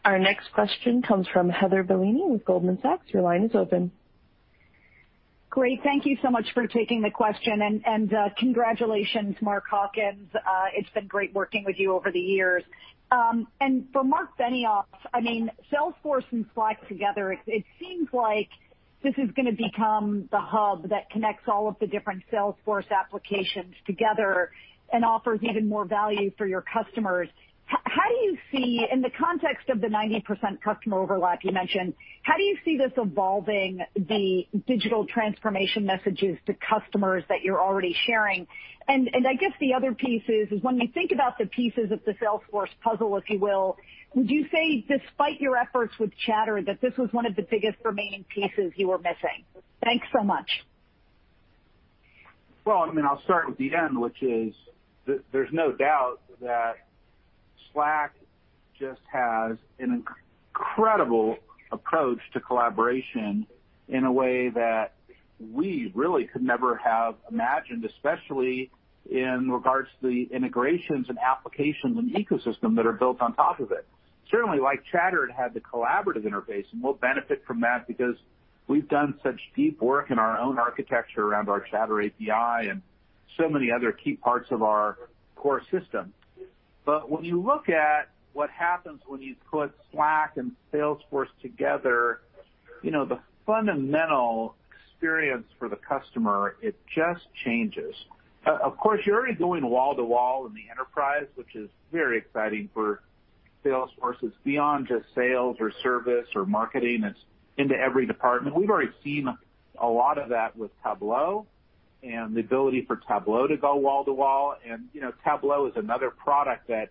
[SPEAKER 1] Our next question comes from Heather Bellini with Goldman Sachs. Your line is open.
[SPEAKER 9] Great. Thank you so much for taking the question, and congratulations, Mark Hawkins. It's been great working with you over the years. For Marc Benioff, Salesforce and Slack together, it seems like this is going to become the hub that connects all of the different Salesforce applications together and offers even more value for your customers. How do you see, in the context of the 90% customer overlap you mentioned, how do you see this evolving the digital transformation messages to customers that you're already sharing? I guess the other piece is when we think about the pieces of the Salesforce puzzle, if you will, would you say despite your efforts with Chatter, that this was one of the biggest remaining pieces you were missing? Thanks so much.
[SPEAKER 3] Well, I'll start with the end, which is there's no doubt that Slack just has an incredible approach to collaboration in a way that we really could never have imagined, especially in regards to the integrations and applications and ecosystem that are built on top of it. Certainly, like Chatter, it had the collaborative interface, and we'll benefit from that because we've done such deep work in our own architecture around our Chatter API and so many other key parts of our core system. When you look at what happens when you put Slack and Salesforce together, the fundamental experience for the customer, it just changes. Of course, you're already going wall to wall in the enterprise, which is very exciting for Salesforce. It's beyond just sales or service or marketing. It's into every department. We've already seen a lot of that with Tableau and the ability for Tableau to go wall to wall. Tableau is another product that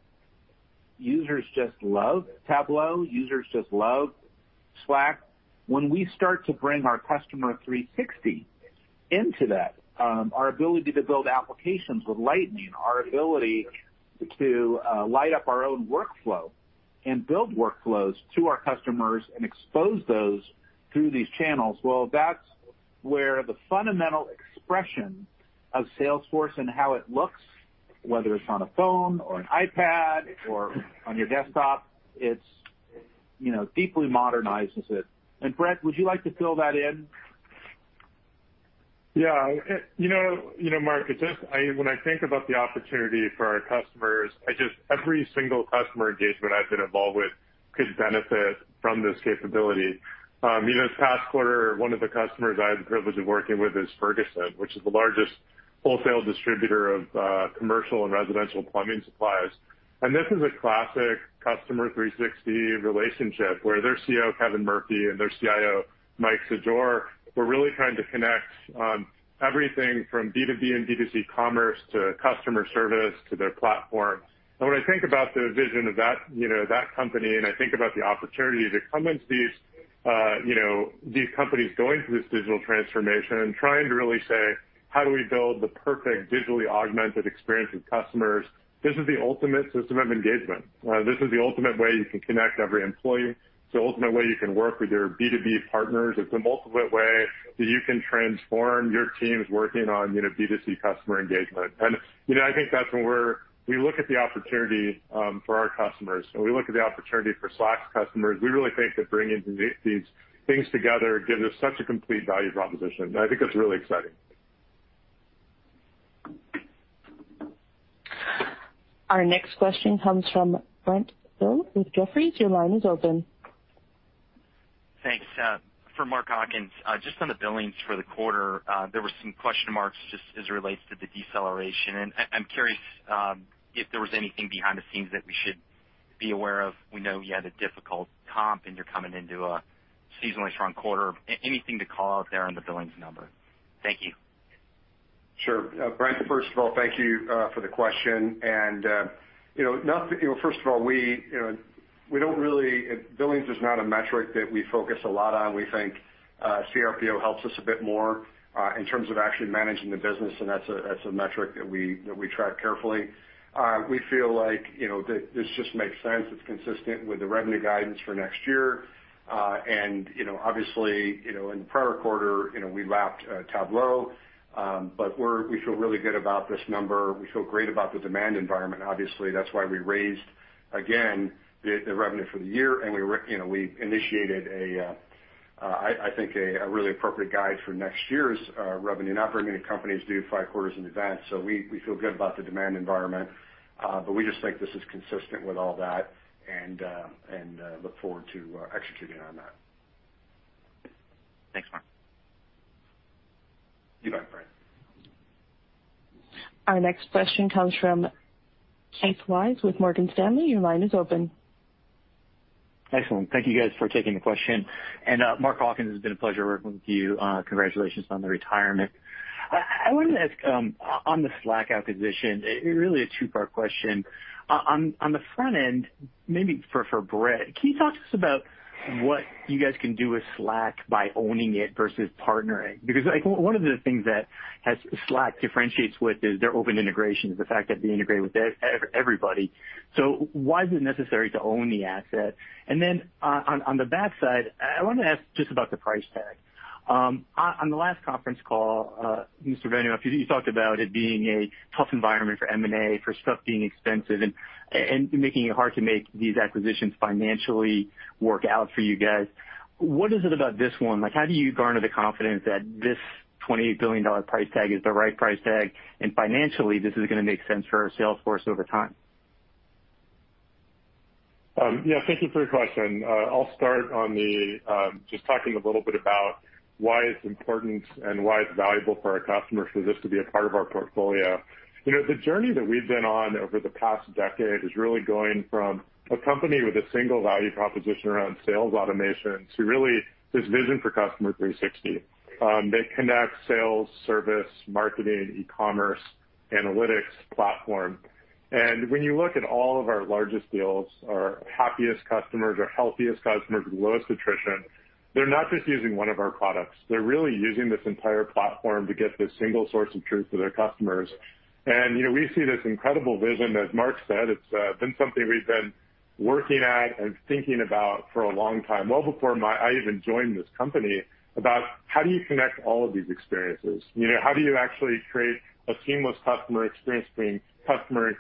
[SPEAKER 3] users just love. Tableau users just love Slack. When we start to bring our Customer 360 into that, our ability to build applications with Lightning, our ability to light up our own workflow and build workflows to our customers and expose those through these channels, well, that's where the fundamental expression of Salesforce and how it looks, whether it's on a phone or an iPad or on your desktop, it deeply modernizes it. Bret, would you like to fill that in?
[SPEAKER 7] Yeah. Marc, when I think about the opportunity for our customers, every single customer engagement I've been involved with could benefit from this capability. Even this past quarter, one of the customers I had the privilege of working with is Ferguson, which is the largest wholesale distributor of commercial and residential plumbing supplies. This is a classic Customer 360 relationship where their CEO, Kevin Murphy, and their CIO, Mike Szajor, were really trying to connect everything from B2B and B2C commerce to customer service to their platform. When I think about the vision of that company, and I think about the opportunity that comes these companies going through this digital transformation and trying to really say, how do we build the perfect digitally augmented experience with customers? This is the ultimate system of engagement. This is the ultimate way you can connect every employee. It's the ultimate way you can work with your B2B partners. It's the ultimate way that you can transform your teams working on B2C customer engagement. I think that's when we look at the opportunity for our customers, and we look at the opportunity for Slack's customers, we really think that bringing these things together gives us such a complete value proposition. I think that's really exciting.
[SPEAKER 1] Our next question comes from Brent Thill with Jefferies. Your line is open.
[SPEAKER 10] Thanks. For Mark Hawkins, just on the billings for the quarter, there were some question marks just as it relates to the deceleration, and I'm curious if there was anything behind the scenes that we should be aware of. We know you had a difficult comp, and you're coming into a seasonally strong quarter. Anything to call out there on the billings number? Thank you.
[SPEAKER 4] Sure. Brent, first of all, thank you for the question. First of all, billings is not a metric that we focus a lot on. We think CRPO helps us a bit more in terms of actually managing the business, and that's a metric that we track carefully. We feel like this just makes sense. It's consistent with the revenue guidance for next year. And obviously, in the prior quarter, we lapped Tableau. We feel really good about this number. We feel great about the demand environment. Obviously, that's why we raised, again, the revenue for the year, and we initiated, I think, a really appropriate guide for next year's revenue. Not very many companies do five quarters in advance, so we feel good about the demand environment. We just think this is consistent with all that and look forward to executing on that.
[SPEAKER 10] Thanks, Mark.
[SPEAKER 4] You bet, Brent.
[SPEAKER 1] Our next question comes from Keith Weiss with Morgan Stanley. Your line is open.
[SPEAKER 11] Excellent. Thank you guys for taking the question. Mark Hawkins, it's been a pleasure working with you. Congratulations on the retirement. I wanted to ask on the Slack acquisition, really a two-part question. On the front end, maybe for Bret, can you talk to us about what you guys can do with Slack by owning it versus partnering? One of the things that Slack differentiates with is their open integration, is the fact that they integrate with everybody. Why is it necessary to own the asset? On the back side, I wanted to ask just about the price tag. On the last conference call, Mr. Benioff, you talked about it being a tough environment for M&A, for stuff being expensive and making it hard to make these acquisitions financially work out for you guys. What is it about this one? How do you garner the confidence that this $28 billion price tag is the right price tag, and financially, this is going to make sense for Salesforce over time?
[SPEAKER 7] Yeah, thank you for your question. I'll start just talking a little bit about why it's important and why it's valuable for our customers for this to be a part of our portfolio. The journey that we've been on over the past decade is really going from a company with a single value proposition around sales automation to really this vision for Customer 360. They connect sales, service, marketing, e-commerce, analytics platform. When you look at all of our largest deals, our happiest customers, our healthiest customers, lowest attrition, they're not just using one of our products. They're really using this entire platform to get the single source of truth to their customers. We see this incredible vision, as Marc said, it's been something we've been working at and thinking about for a long time, well before I even joined this company, about how do you connect all of these experiences? How do you actually create a seamless customer experience between customer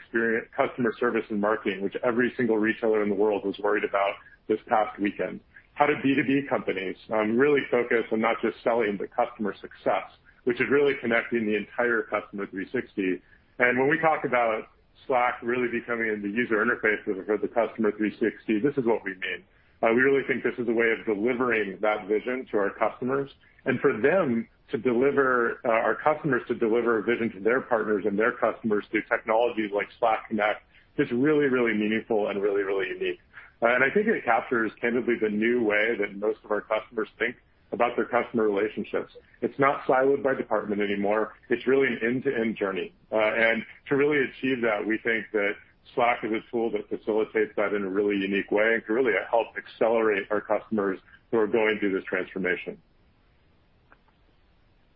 [SPEAKER 7] service and marketing, which every single retailer in the world was worried about this past weekend? How do B2B companies really focus on not just selling, but customer success, which is really connecting the entire Customer 360? When we talk about Slack really becoming the user interface for the Customer 360, this is what we mean. We really think this is a way of delivering that vision to our customers, and for our customers to deliver a vision to their partners and their customers through technologies like Slack Connect is really, really meaningful and really, really unique. I think it captures candidly the new way that most of our customers think about their customer relationships. It's not siloed by department anymore. It's really an end-to-end journey. To really achieve that, we think that Slack is a tool that facilitates that in a really unique way and can really help accelerate our customers who are going through this transformation.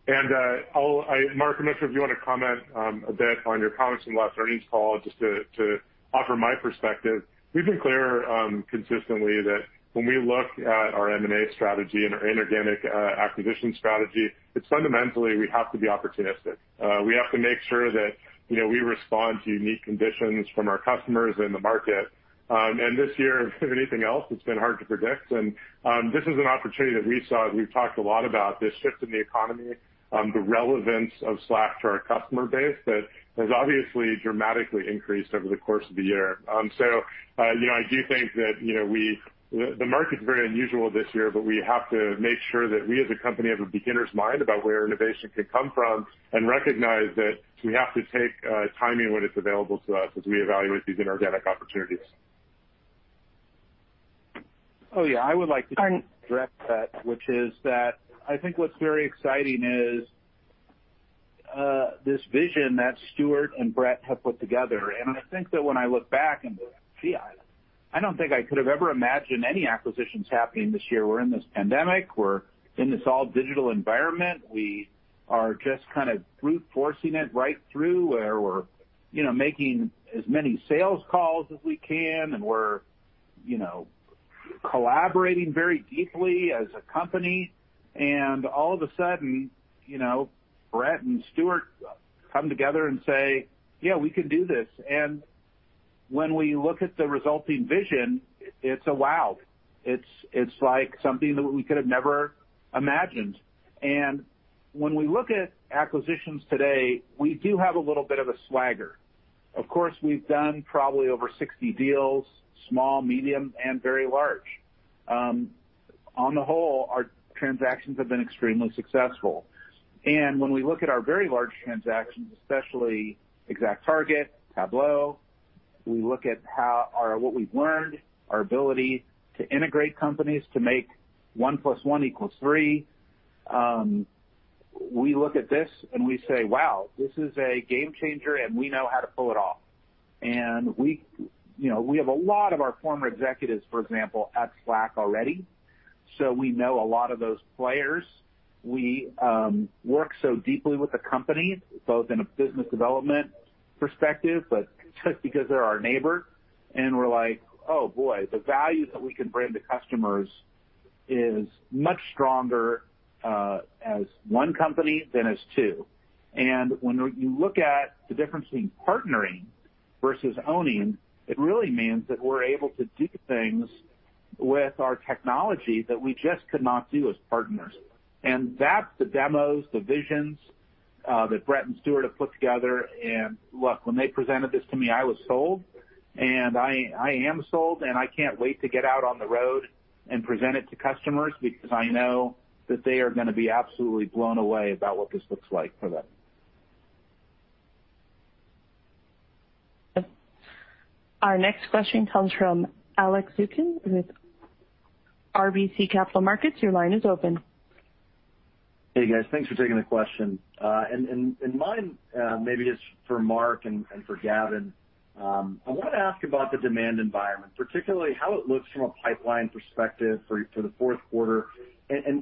[SPEAKER 7] Marc, I'm not sure if you want to comment a bit on your comments from last earnings call, just to offer my perspective. We've been clear, consistently, that when we look at our M&A strategy and our inorganic acquisition strategy, it's fundamentally we have to be opportunistic. We have to make sure that we respond to unique conditions from our customers and the market. This year, if anything else, it's been hard to predict. This is an opportunity that we saw, as we've talked a lot about, this shift in the economy, the relevance of Slack to our customer base that has obviously dramatically increased over the course of the year. I do think that the market's very unusual this year, but we have to make sure that we as a company have a beginner's mind about where innovation can come from and recognize that we have to take timing when it's available to us as we evaluate these inorganic opportunities.
[SPEAKER 3] Yeah, I would like to direct that, which is that I think what's very exciting is this vision that Stewart and Bret have put together. I think that when I look back and see, I don't think I could've ever imagined any acquisitions happening this year. We're in this pandemic. We're in this all digital environment. We are just kind of brute forcing it right through where we're making as many sales calls as we can, and we're collaborating very deeply as a company. All of a sudden, Bret and Stewart come together and say, "Yeah, we can do this." When we look at the resulting vision, it's a wow. It's like something that we could've never imagined. When we look at acquisitions today, we do have a little bit of a swagger. Of course, we've done probably over 60 deals, small, medium, and very large. On the whole, our transactions have been extremely successful. When we look at our very large transactions, especially ExactTarget, Tableau, we look at what we've learned, our ability to integrate companies to make 1 + 1 = 3. We look at this and we say, "Wow, this is a game changer, and we know how to pull it off." We have a lot of our former executives, for example, at Slack already. We know a lot of those players. We work so deeply with the company, both in a business development perspective, but just because they're our neighbor, and we're like, "Oh, boy, the value that we can bring to customers is much stronger as one company than as two." When you look at the difference between partnering versus owning, it really means that we're able to do things with our technology that we just could not do as partners. That's the demos, the visions, that Bret and Stewart have put together. Look, when they presented this to me, I was sold, and I am sold, and I can't wait to get out on the road and present it to customers because I know that they are going to be absolutely blown away about what this looks like for them.
[SPEAKER 1] Our next question comes from Alex Zukin with RBC Capital Markets. Your line is open. Hey, guys. Thanks for taking the question. Mine maybe is for Marc and for Gavin. I wanted to ask about the demand environment, particularly how it looks from a pipeline perspective for the fourth quarter.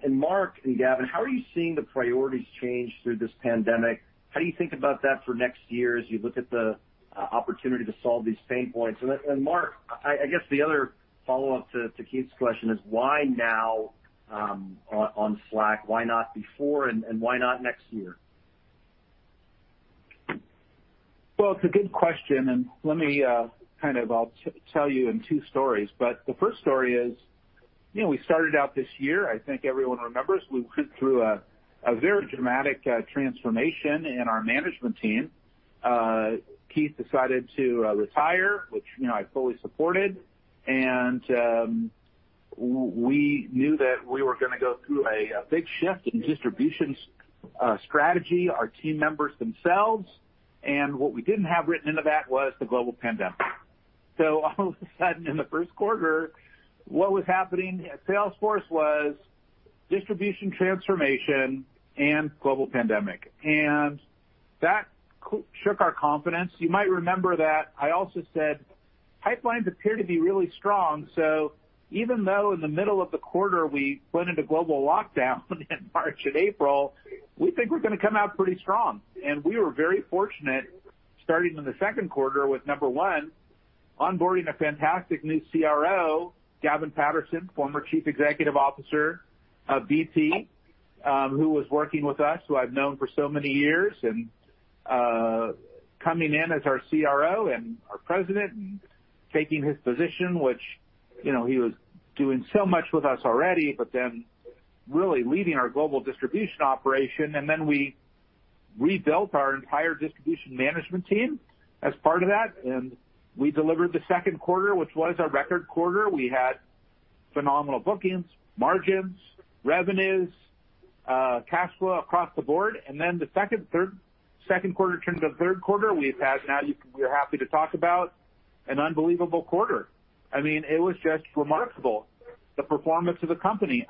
[SPEAKER 1] Marc and Gavin, how are you seeing the priorities change through this pandemic? How do you think about that for next year as you look at the opportunity to solve these pain points? Marc, I guess the other follow-up to Keith's question is why now on Slack? Why not before, and why not next year?
[SPEAKER 3] Well, it's a good question, and let me kind of, I'll tell you in two stories, but the first story is. We started out this year, I think everyone remembers, we went through a very dramatic transformation in our management team. Keith decided to retire, which I fully supported. We knew that we were going to go through a big shift in distribution strategy, our team members themselves, and what we didn't have written into that was the global pandemic. All of a sudden, in the first quarter, what was happening at Salesforce was distribution transformation and global pandemic. That shook our confidence. You might remember that I also said pipelines appear to be really strong. Even though in the middle of the quarter we went into global lockdown in March and April, we think we're going to come out pretty strong. We were very fortunate starting in the second quarter with, number one, onboarding a fantastic new CRO, Gavin Patterson, former Chief Executive Officer of BT who was working with us, who I've known for so many years, and coming in as our CRO and our President and taking his position, which he was doing so much with us already, but then really leading our global distribution operation. We rebuilt our entire distribution management team as part of that, and we delivered the second quarter, which was our record quarter. We had phenomenal bookings, margins, revenues, cash flow across the board. The second quarter turned to the third quarter. We've had, now we're happy to talk about an unbelievable quarter. It was just remarkable, the performance of the company.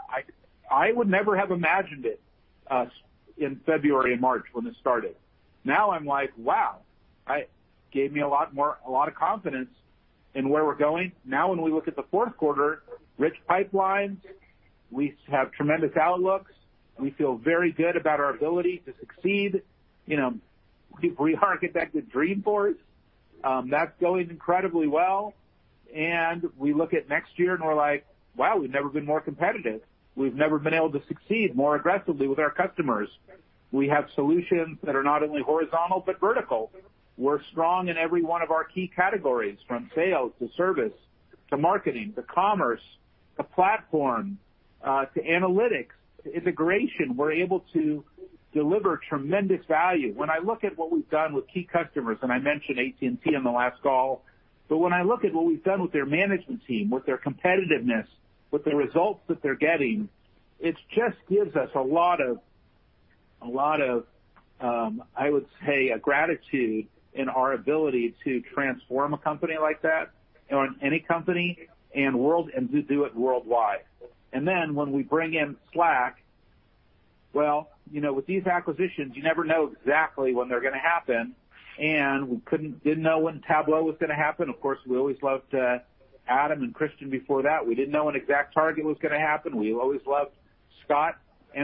[SPEAKER 3] I would never have imagined it in February and March when this started. Now I'm like, "Wow." Gave me a lot of confidence in where we're going. Now when we look at the fourth quarter, rich pipelines, we have tremendous outlooks. We feel very good about our ability to succeed. We architected Dreamforce. That's going incredibly well. We look at next year and we're like, "Wow, we've never been more competitive. We've never been able to succeed more aggressively with our customers." We have solutions that are not only horizontal but vertical. We're strong in every one of our key categories, from sales to service, to marketing, to commerce, to platform, to analytics, to integration. We're able to deliver tremendous value. When I look at what we've done with key customers, I mentioned AT&T in the last call, when I look at what we've done with their management team, with their competitiveness, with the results that they're getting, it just gives us a lot of, I would say, a gratitude in our ability to transform a company like that or any company and do it worldwide. When we bring in Slack, well, with these acquisitions, you never know exactly when they're going to happen. We didn't know when Tableau was going to happen. Of course, we always loved Adam and Christian before that. We didn't know when ExactTarget was going to happen. We always loved Scott.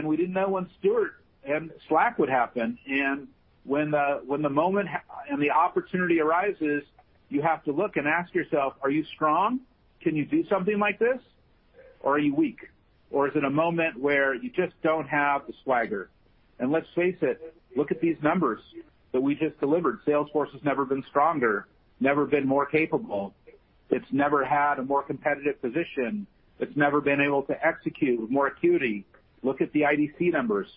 [SPEAKER 3] We didn't know when Stewart and Slack would happen. When the moment and the opportunity arises, you have to look and ask yourself, are you strong? Can you do something like this? Are you weak? Is it a moment where you just don't have the swagger? Let's face it, look at these numbers that we just delivered. Salesforce has never been stronger, never been more capable. It's never had a more competitive position. It's never been able to execute with more acuity. Look at the IDC numbers.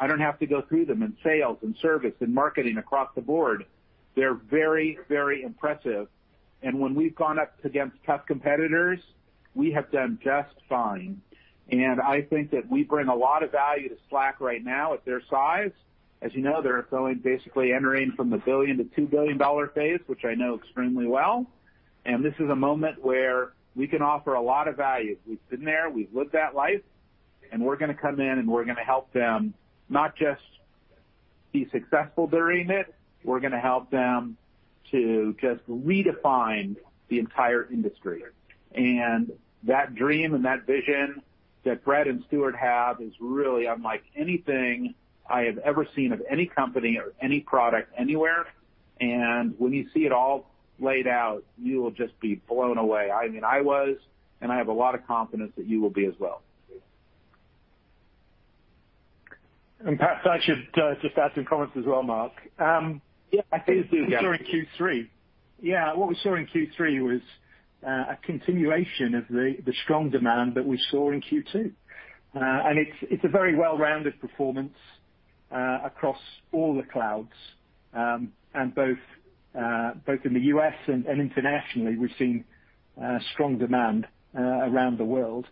[SPEAKER 3] I don't have to go through them in sales and service and marketing across the board. They're very, very impressive. When we've gone up against tough competitors, we have done just fine. I think that we bring a lot of value to Slack right now at their size. As you know, they're growing, basically entering from the $1 billion to $2 billion phase, which I know extremely well. This is a moment where we can offer a lot of value. We've been there, we've lived that life, we're going to come in and we're going to help them not just be successful during it, we're going to help them to just redefine the entire industry. That dream and that vision that Bret and Stewart have is really unlike anything I have ever seen of any company or any product anywhere. When you see it all laid out, you will just be blown away. I was, and I have a lot of confidence that you will be as well.
[SPEAKER 12] Perhaps I should just add some comments as well, Marc.
[SPEAKER 3] Yeah, please do, Gavin.
[SPEAKER 12] What we saw in Q3. Yeah, what we saw in Q3 was a continuation of the strong demand that we saw in Q2. It's a very well-rounded performance across all the clouds, both in the U.S. and internationally. We've seen strong demand around the world.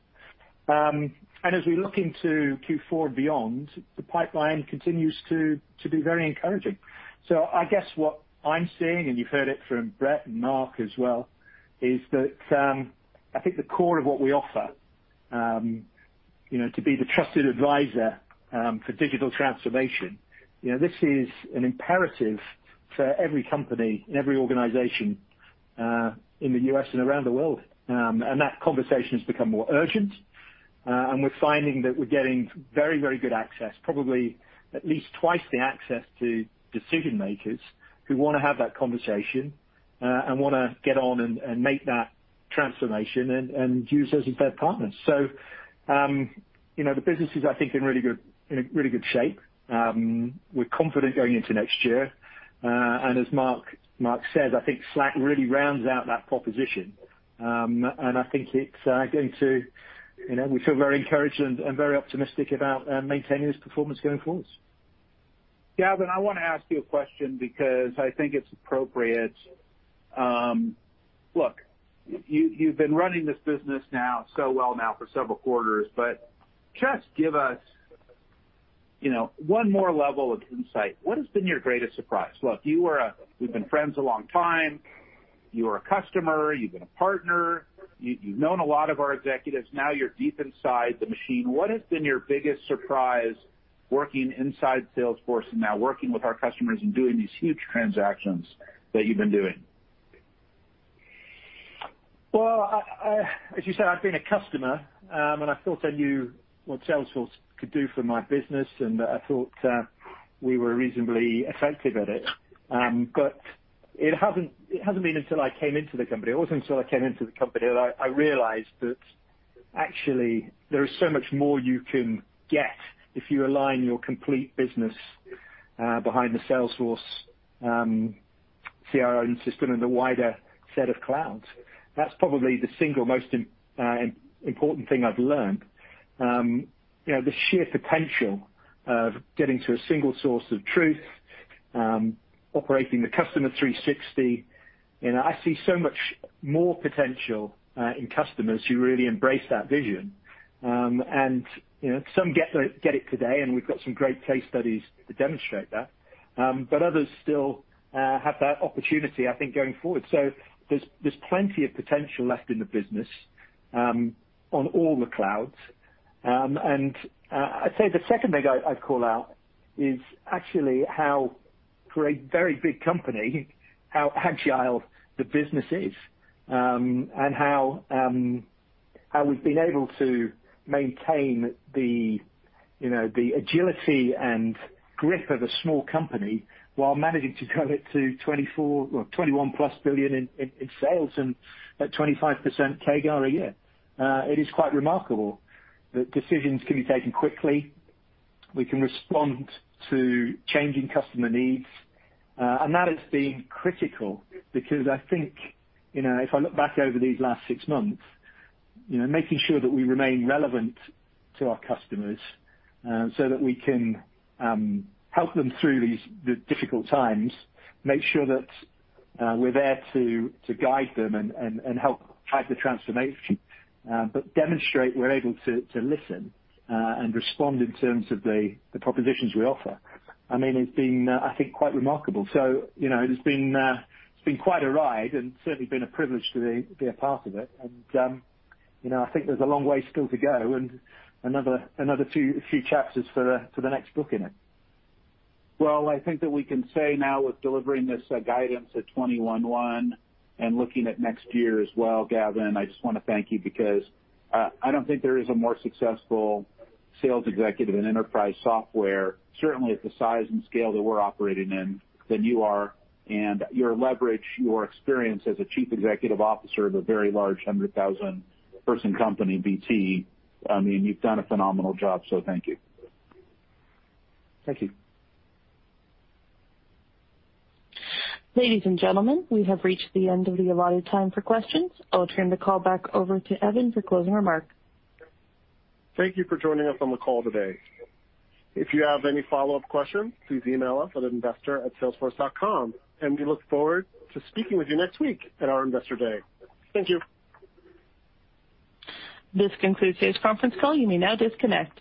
[SPEAKER 12] As we look into Q4 and beyond, the pipeline continues to be very encouraging. I guess what I'm seeing, and you've heard it from Bret and Mark as well, is that I think the core of what we offer, to be the trusted advisor for digital transformation, this is an imperative for every company and every organization in the U.S. and around the world. That conversation has become more urgent. We're finding that we're getting very, very good access, probably at least twice the access to decision-makers who want to have that conversation and want to get on and make that transformation and use us as their partners. The business is, I think, in really good shape. We're confident going into next year. As Marc said, I think Slack really rounds out that proposition. I think we feel very encouraged and very optimistic about maintaining this performance going forwards.
[SPEAKER 3] Gavin, I want to ask you a question because I think it's appropriate. Look, you've been running this business now so well now for several quarters, but just give us one more level of insight. What has been your greatest surprise? Look, we've been friends a long time. You are a customer, you've been a partner, you've known a lot of our executives. Now you're deep inside the machine. What has been your biggest surprise working inside Salesforce and now working with our customers and doing these huge transactions that you've been doing?
[SPEAKER 12] Well, as you said, I've been a customer, and I thought I knew what Salesforce could do for my business, and I thought we were reasonably effective at it. It wasn't until I came into the company that I realized that actually, there is so much more you can get if you align your complete business behind the Salesforce CRM system and the wider set of clouds. That's probably the single most important thing I've learned. The sheer potential of getting to a single source of truth, operating the Customer 360, and I see so much more potential in customers who really embrace that vision. Some get it today, and we've got some great case studies to demonstrate that. Others still have that opportunity, I think, going forward. There's plenty of potential left in the business on all the clouds. I'd say the second thing I'd call out is actually how, for a very big company, how agile the business is, and how we've been able to maintain the agility and grip of a small company while managing to grow it to $24 billion or $21+ billion in sales and at 25% CAGR a year. It is quite remarkable that decisions can be taken quickly. We can respond to changing customer needs. That has been critical because I think, if I look back over these last six months, making sure that we remain relevant to our customers, so that we can help them through these difficult times, make sure that we're there to guide them and help drive the transformation, but demonstrate we're able to listen and respond in terms of the propositions we offer. It's been, I think, quite remarkable. It's been quite a ride and certainly been a privilege to be a part of it. I think there's a long way still to go and another few chapters for the next book in it.
[SPEAKER 3] I think that we can say now with delivering this guidance at $21.1 billion and looking at next year as well, Gavin, I just want to thank you because I don't think there is a more successful sales executive in enterprise software, certainly at the size and scale that we're operating in, than you are. Your leverage, your experience as a chief executive officer of a very large 100,000-person company, BT, you've done a phenomenal job. Thank you.
[SPEAKER 12] Thank you.
[SPEAKER 1] Ladies and gentlemen, we have reached the end of the allotted time for questions. I will turn the call back over to Evan for closing remarks.
[SPEAKER 2] Thank you for joining us on the call today. If you have any follow-up questions, please email us at investor@salesforce.com, and we look forward to speaking with you next week at our Investor Day. Thank you.
[SPEAKER 1] This concludes today's conference call. You may now disconnect.